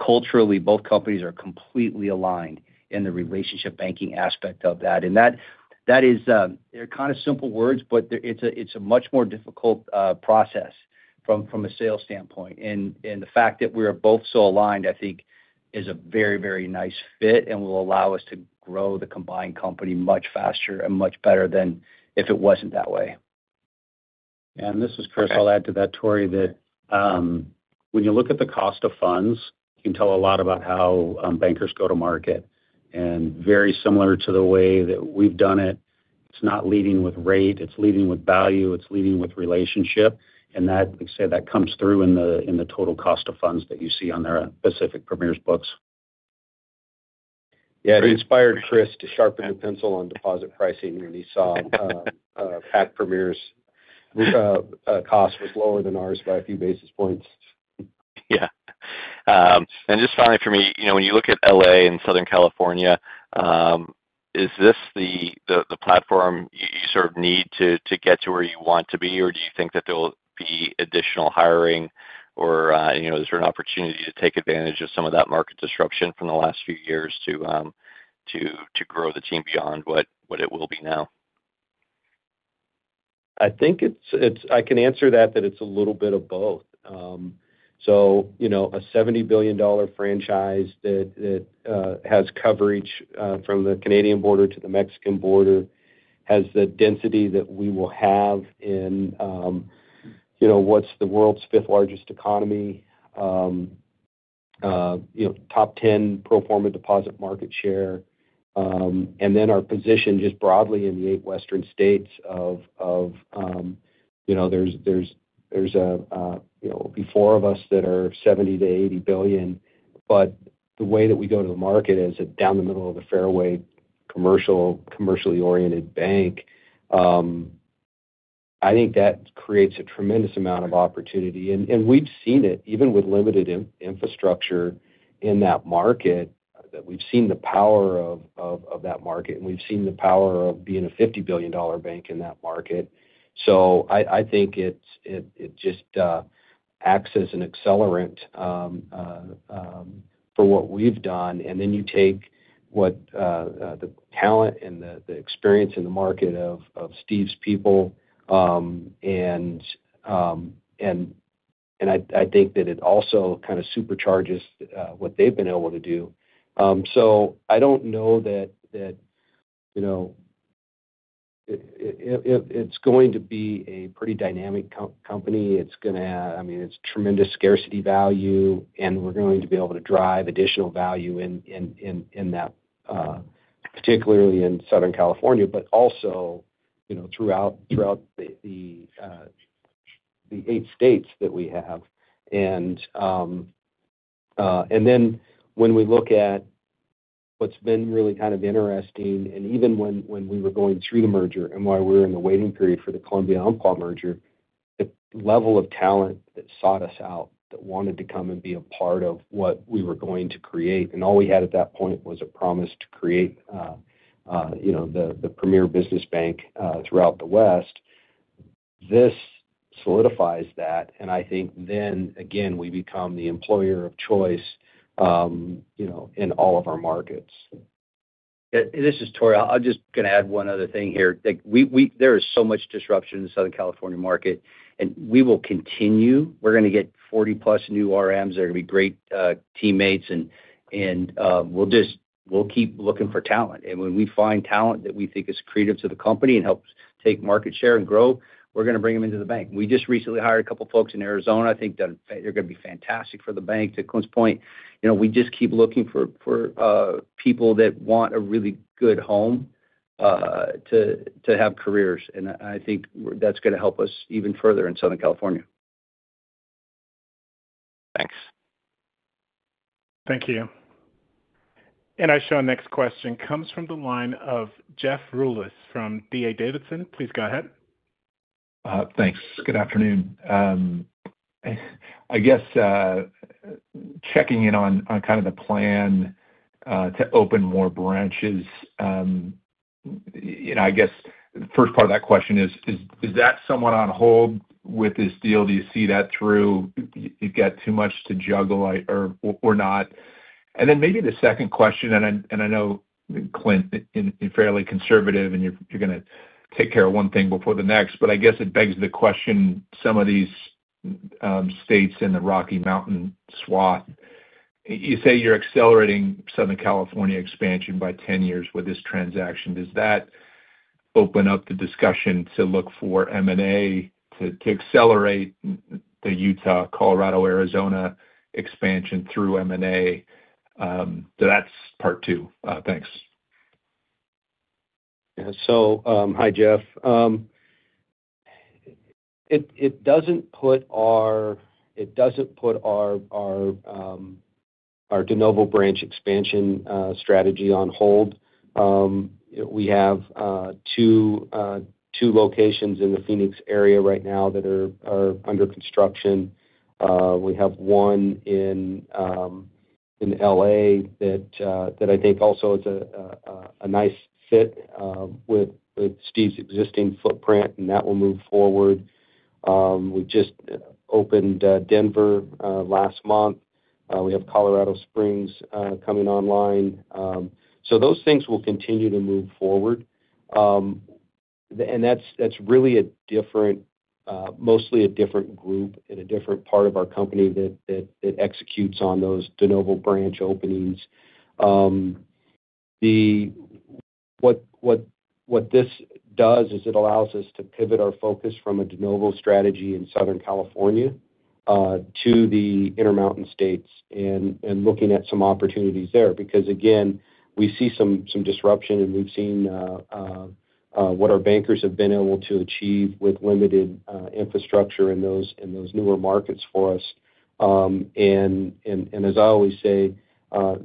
Culturally, both companies are completely aligned in the relationship banking aspect of that. They're kind of simple words, but it's a much more difficult process from a sales standpoint. The fact that we're both so aligned, I think, is a very, very nice fit and will allow us to grow the combined company much faster and much better than if it wasn't that way. Yeah. This is Chris. I'll add to that, Tory, that when you look at the cost of funds, you can tell a lot about how bankers go to market. Very similar to the way that we've done it, it's not leading with rate. It's leading with value. It's leading with relationship. Like I said, that comes through in the total cost of funds that you see on Pacific Premier's books. Yeah. It inspired Chris to sharpen the pencil on deposit pricing when he saw Pac Premier's cost was lower than ours by a few basis points. Yeah. Just finally for me, when you look at L.A. and Southern California, is this the platform you sort of need to get to where you want to be? Do you think that there will be additional hiring? Is there an opportunity to take advantage of some of that market disruption from the last few years to grow the team beyond what it will be now? I think I can answer that that it's a little bit of both. A $70 billion franchise that has coverage from the Canadian border to the Mexican border has the density that we will have in what's the world's fifth largest economy, top 10 pro forma deposit market share. Our position just broadly in the eight western states of there's a four of us that are $70 billion-$80 billion. The way that we go to the market as a down the middle of the fairway commercially oriented bank, I think that creates a tremendous amount of opportunity. We've seen it even with limited infrastructure in that market that we've seen the power of that market. We've seen the power of being a $50 billion bank in that market. I think it just acts as an accelerant for what we've done. You take the talent and the experience in the market of Steve's people. I think that it also kind of supercharges what they've been able to do. I don't know that it's going to be a pretty dynamic company. It's going to, I mean, it's tremendous scarcity value. We're going to be able to drive additional value in that, particularly in Southern California, but also throughout the eight states that we have. When we look at what's been really kind of interesting, and even when we were going through the merger and why we're in the waiting period for the Columbia-Umpqua merger, the level of talent that sought us out that wanted to come and be a part of what we were going to create. All we had at that point was a promise to create the premier business bank throughout the West. This solidifies that. I think then, again, we become the employer of choice in all of our markets. This is Tory. I'm just going to add one other thing here. There is so much disruption in the Southern California market. We will continue. We're going to get 40+ new RMs. They're going to be great teammates. We'll keep looking for talent. When we find talent that we think is accretive to the company and helps take market share and grow, we're going to bring them into the bank. We just recently hired a couple of folks in Arizona. I think they're going to be fantastic for the bank. To Clint's point, we just keep looking for people that want a really good home to have careers. I think that's going to help us even further in Southern California. Thanks. Thank you. I show our next question comes from the line of Jeff Rulis from D.A. Davidson. Please go ahead. Thanks. Good afternoon. I guess checking in on kind of the plan to open more branches. I guess the first part of that question is, is that somewhat on hold with this deal? Do you see that through? You've got too much to juggle or not? Maybe the second question, and I know Clint, you're fairly conservative and you're going to take care of one thing before the next, but I guess it begs the question, some of these states in the Rocky Mountain swath, you say you're accelerating Southern California expansion by 10 years with this transaction. Does that open up the discussion to look for M&A to accelerate the Utah, Colorado, Arizona expansion through M&A? That's part two. Thanks. Yeah. Hi, Jeff. It doesn't put our de novo branch expansion strategy on hold. We have two locations in the Phoenix area right now that are under construction. We have one in L.A. that I think also it's a nice fit with Steve's existing footprint, and that will move forward. We just opened Denver last month. We have Colorado Springs coming online. Those things will continue to move forward. That is really mostly a different group and a different part of our company that executes on those de novo branch openings. What this does is it allows us to pivot our focus from a de novo strategy in Southern California to the Intermountain states and looking at some opportunities there. Because again, we see some disruption, and we've seen what our bankers have been able to achieve with limited infrastructure in those newer markets for us. As I always say,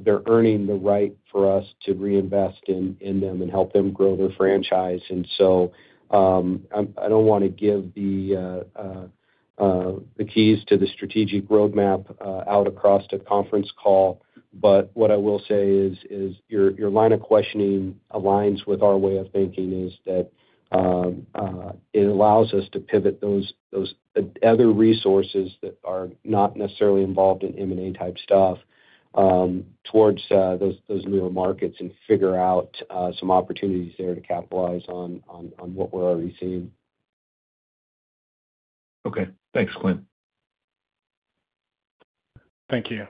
they're earning the right for us to reinvest in them and help them grow their franchise. I do not want to give the keys to the strategic roadmap out across the conference call. What I will say is your line of questioning aligns with our way of thinking in that it allows us to pivot those other resources that are not necessarily involved in M&A type stuff towards those newer markets and figure out some opportunities there to capitalize on what we're already seeing. Okay. Thanks, Clint. Thank you.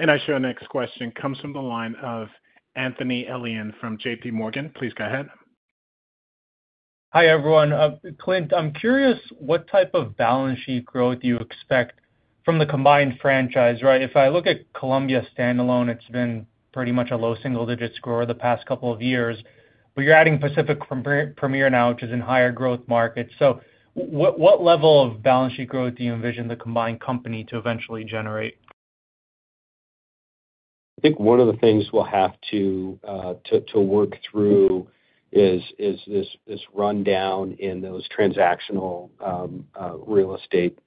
I show our next question comes from the line of Anthony Elian from JPMorgan. Please go ahead. Hi everyone. Clint, I'm curious what type of balance sheet growth you expect from the combined franchise, right? If I look at Columbia standalone, it's been pretty much a low single-digit score the past couple of years. But you're adding Pacific Premier now, which is in higher growth markets. So what level of balance sheet growth do you envision the combined company to eventually generate? I think one of the things we'll have to work through is this rundown in those transactional real estate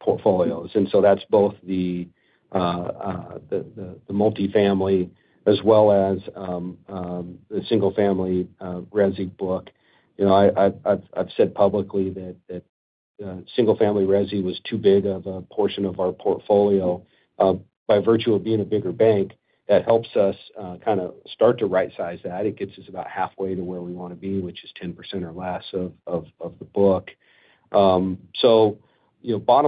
portfolios. That is both the multifamily as well as the single-family Resi book. I've said publicly that single-family Resi was too big of a portion of our portfolio. By virtue of being a bigger bank, that helps us kind of start to right-size that. It gets us about halfway to where we want to be, which is 10% or less of the book. Bottom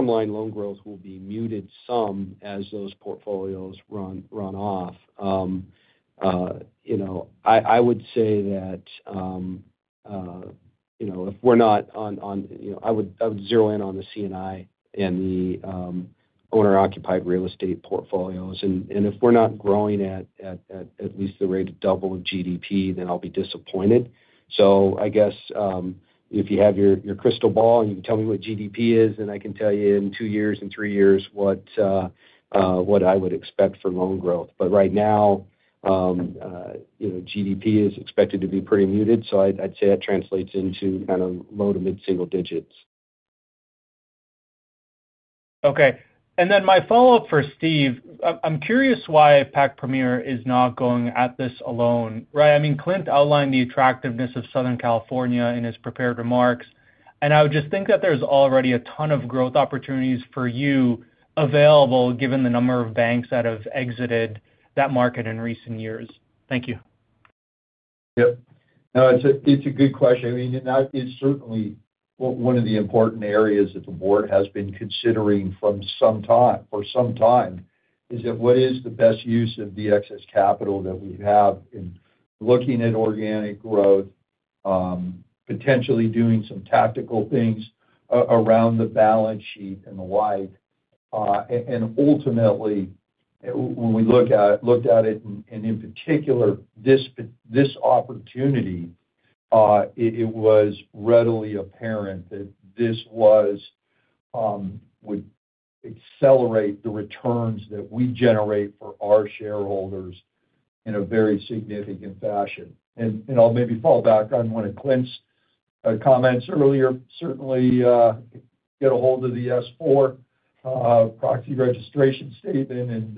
line, loan growth will be muted some as those portfolios run off. I would say that if we're not on, I would zero in on the C&I and the owner-occupied real estate portfolios. If we're not growing at at least the rate of double of GDP, then I'll be disappointed. I guess if you have your crystal ball and you can tell me what GDP is, then I can tell you in two years and three years what I would expect for loan growth. Right now, GDP is expected to be pretty muted. I'd say that translates into kind of low to mid-single digits. Okay. My follow-up for Steve, I'm curious why Pac Premier is not going at this alone, right? I mean, Clint outlined the attractiveness of Southern California in his prepared remarks. I would just think that there's already a ton of growth opportunities for you available given the number of banks that have exited that market in recent years. Thank you. It's a good question. I mean, it's certainly one of the important areas that the board has been considering for some time is that what is the best use of the excess capital that we have in looking at organic growth, potentially doing some tactical things around the balance sheet and the like. Ultimately, when we looked at it, and in particular, this opportunity, it was readily apparent that this would accelerate the returns that we generate for our shareholders in a very significant fashion. I'll maybe fall back on one of Clint's comments earlier. Certainly get a hold of the S-4 proxy registration statement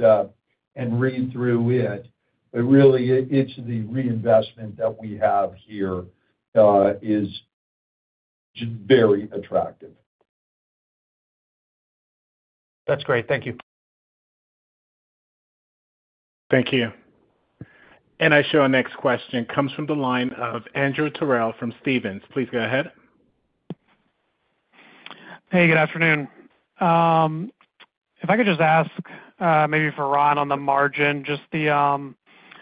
and read through it. Really, it's the reinvestment that we have here is very attractive. That's great. Thank you. Thank you. I show our next question comes from the line of Andrew Terrell from Stephens. Please go ahead. Hey, good afternoon. If I could just ask maybe for Ron on the margin, just from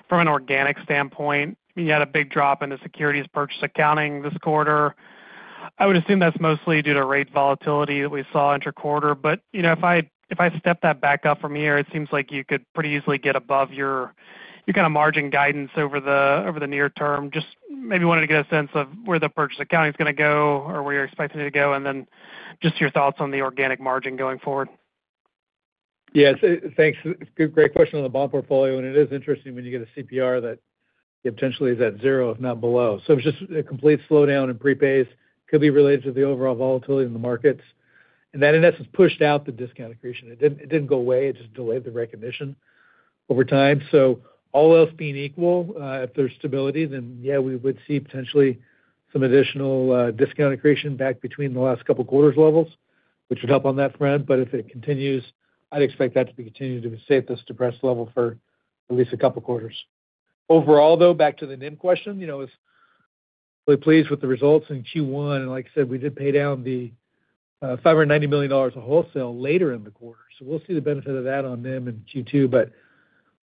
an organic standpoint, you had a big drop in the securities purchase accounting this quarter. I would assume that's mostly due to rate volatility that we saw inter-quarter. If I step that back up from here, it seems like you could pretty easily get above your kind of margin guidance over the near term. Just maybe wanted to get a sense of where the purchase accounting is going to go or where you're expecting it to go, and then just your thoughts on the organic margin going forward. Yeah. Thanks. Great question on the bond portfolio. It is interesting when you get a CPR that potentially is at zero, if not below. It was just a complete slowdown in prepays, could be related to the overall volatility in the markets. That in essence pushed out the discount accretion. It did not go away. It just delayed the recognition over time. All else being equal, if there is stability, then yeah, we would see potentially some additional discount accretion back between the last couple of quarters levels, which would help on that front. If it continues, I would expect that to continue to be set at this depressed level for at least a couple of quarters. Overall, though, back to the NIM question, I was really pleased with the results in Q1. Like I said, we did pay down the $590 million of wholesale later in the quarter. We will see the benefit of that on NIM in Q2.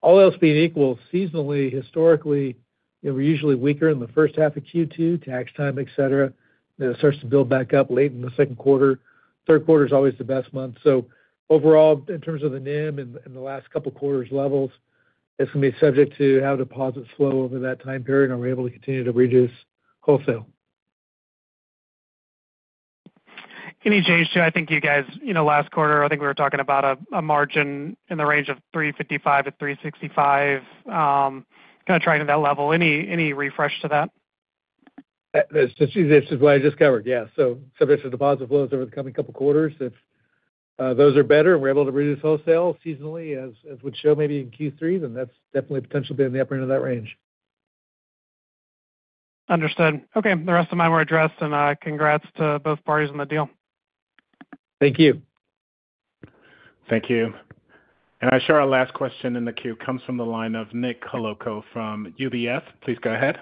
All else being equal, seasonally, historically, we are usually weaker in the first half of Q2, tax time, etc. It starts to build back up late in the second quarter. Third quarter is always the best month. Overall, in terms of the NIM and the last couple of quarters levels, it is going to be subject to how deposits flow over that time period. Are we able to continue to reduce wholesale? Any change to, I think you guys, last quarter, I think we were talking about a margin in the range of 355-365, kind of trying to that level. Any refresh to that? That's what I discovered. Yeah. Subject to deposit flows over the coming couple of quarters, if those are better and we're able to reduce wholesale seasonally, as would show maybe in Q3, then that's definitely potentially been in the upper end of that range. Understood. Okay. The rest of mine were addressed, and congrats to both parties on the deal. Thank you. Thank you. I show our last question in the queue comes from the line of Nicolas Holowko from UBS. Please go ahead.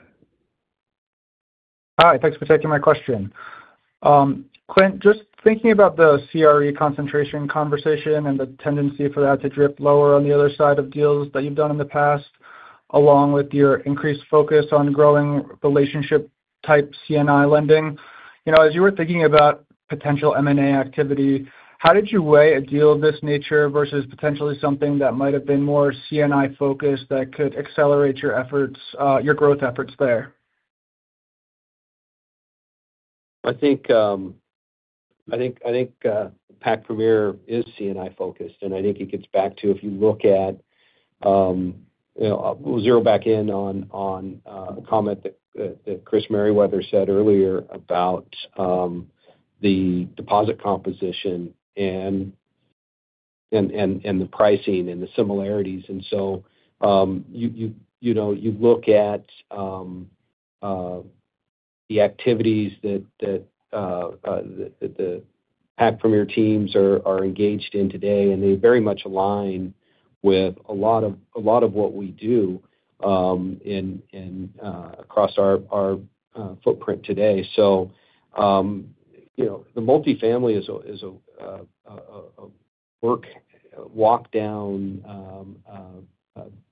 Hi. Thanks for taking my question. Clint, just thinking about the CRE concentration conversation and the tendency for that to drip lower on the other side of deals that you've done in the past, along with your increased focus on growing relationship type C&I lending. As you were thinking about potential M&A activity, how did you weigh a deal of this nature versus potentially something that might have been more C&I focused that could accelerate your growth efforts there? I think Pac Premier is C&I focused. I think it gets back to if you look at, zero back in on a comment that Chris Merrywell said earlier about the deposit composition and the pricing and the similarities. You look at the activities that the Pac Premier teams are engaged in today, and they very much align with a lot of what we do across our footprint today. The multifamily is a work walk down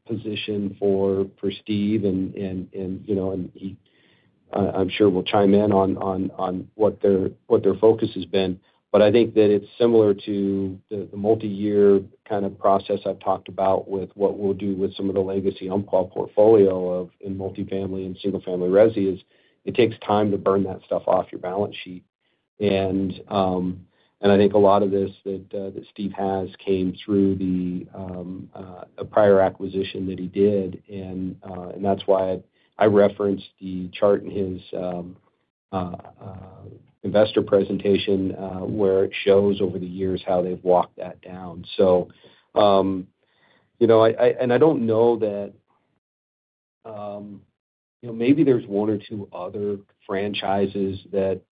position for Steve, and I'm sure he'll chime in on what their focus has been. I think that it's similar to the multi-year kind of process I've talked about with what we'll do with some of the legacy Umpqua portfolio in multifamily and single-family Resi, it takes time to burn that stuff off your balance sheet. I think a lot of this that Steve has came through the prior acquisition that he did. That is why I referenced the chart in his investor presentation where it shows over the years how they've walked that down. I don't know that maybe there's one or two other franchises that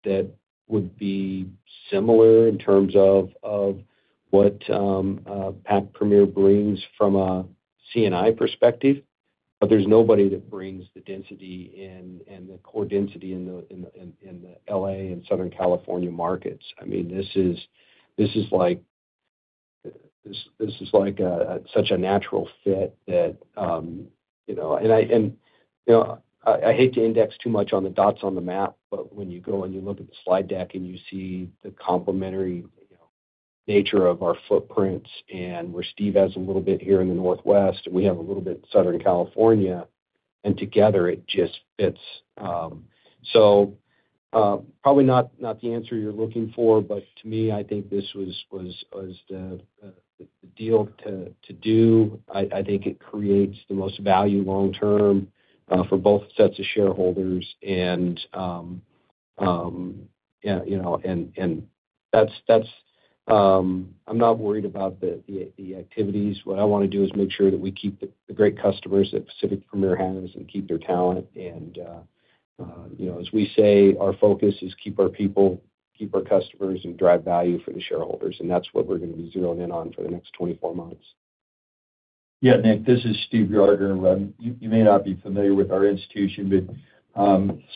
would be similar in terms of what Pac Premier brings from a C&I perspective, but there's nobody that brings the density and the core density in the L.A. and Southern California markets. I mean, this is like such a natural fit that I hate to index too much on the dots on the map, but when you go and you look at the slide deck and you see the complementary nature of our footprints and where Steve has a little bit here in the Northwest and we have a little bit in Southern California, together it just fits. Probably not the answer you're looking for, but to me, I think this was the deal to do. I think it creates the most value long term for both sets of shareholders. I'm not worried about the activities. What I want to do is make sure that we keep the great customers that Pacific Premier has and keep their talent. As we say, our focus is keep our people, keep our customers, and drive value for the shareholders. That's what we're going to be zeroing in on for the next 24 months. Yeah, Nick, this is Steve Gardner. You may not be familiar with our institution, but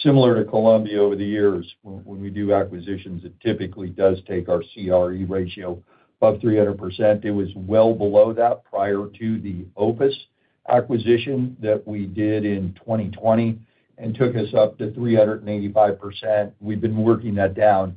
similar to Columbia over the years, when we do acquisitions, it typically does take our CRE ratio above 300%. It was well below that prior to the Opus acquisition that we did in 2020 and took us up to 385%. We've been working that down.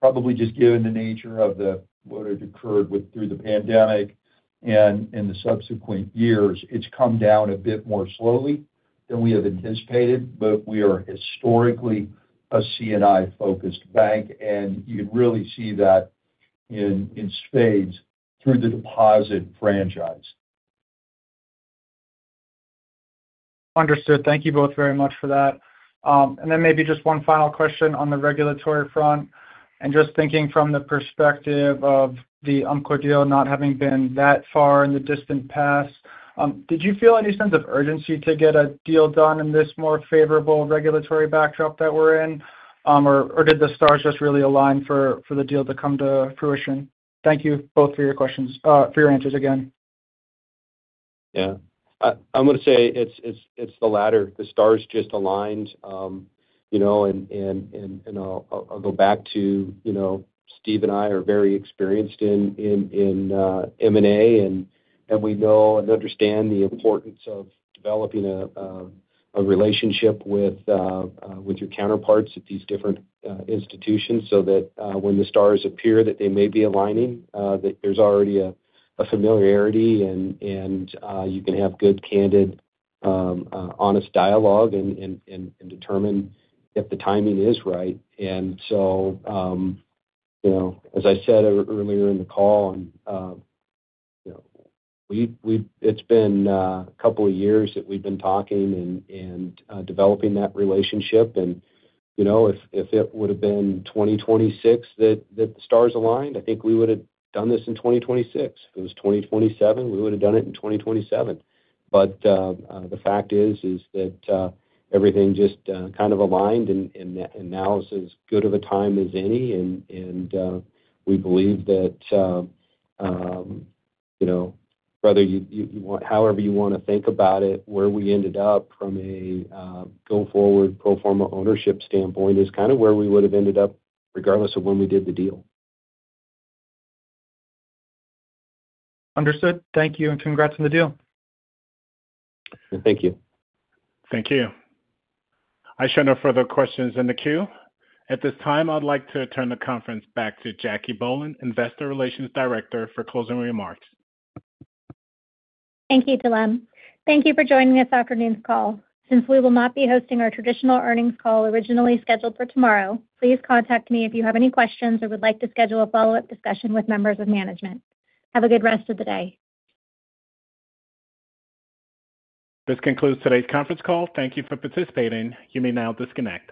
Probably just given the nature of what had occurred through the pandemic and in the subsequent years, it's come down a bit more slowly than we have anticipated, but we are historically a C&I focused bank. You can really see that in spades through the deposit franchise. Understood. Thank you both very much for that. Maybe just one final question on the regulatory front. Just thinking from the perspective of the Umpqua deal not having been that far in the distant past, did you feel any sense of urgency to get a deal done in this more favorable regulatory backdrop that we are in? Did the stars just really align for the deal to come to fruition? Thank you both for your questions, for your answers again. Yeah. I'm going to say it's the latter. The stars just aligned. I’ll go back to Steve and I are very experienced in M&A, and we know and understand the importance of developing a relationship with your counterparts at these different institutions so that when the stars appear, that they may be aligning, that there's already a familiarity, and you can have good, candid, honest dialogue and determine if the timing is right. As I said earlier in the call, it's been a couple of years that we've been talking and developing that relationship. If it would have been 2026 that the stars aligned, I think we would have done this in 2026. If it was 2027, we would have done it in 2027. The fact is that everything just kind of aligned, and now it's as good of a time as any. We believe that whether you want, however you want to think about it, where we ended up from a go-forward pro forma ownership standpoint is kind of where we would have ended up regardless of when we did the deal. Understood. Thank you. Congrats on the deal. Thank you. Thank you. I show no further questions in the queue. At this time, I'd like to turn the conference back to Jacque Bohlen, Investor Relations Director, for closing remarks. Thank you, Dylan. Thank you for joining this afternoon's call. Since we will not be hosting our traditional earnings call originally scheduled for tomorrow, please contact me if you have any questions or would like to schedule a follow-up discussion with members of management. Have a good rest of the day. This concludes today's conference call. Thank you for participating. You may now disconnect.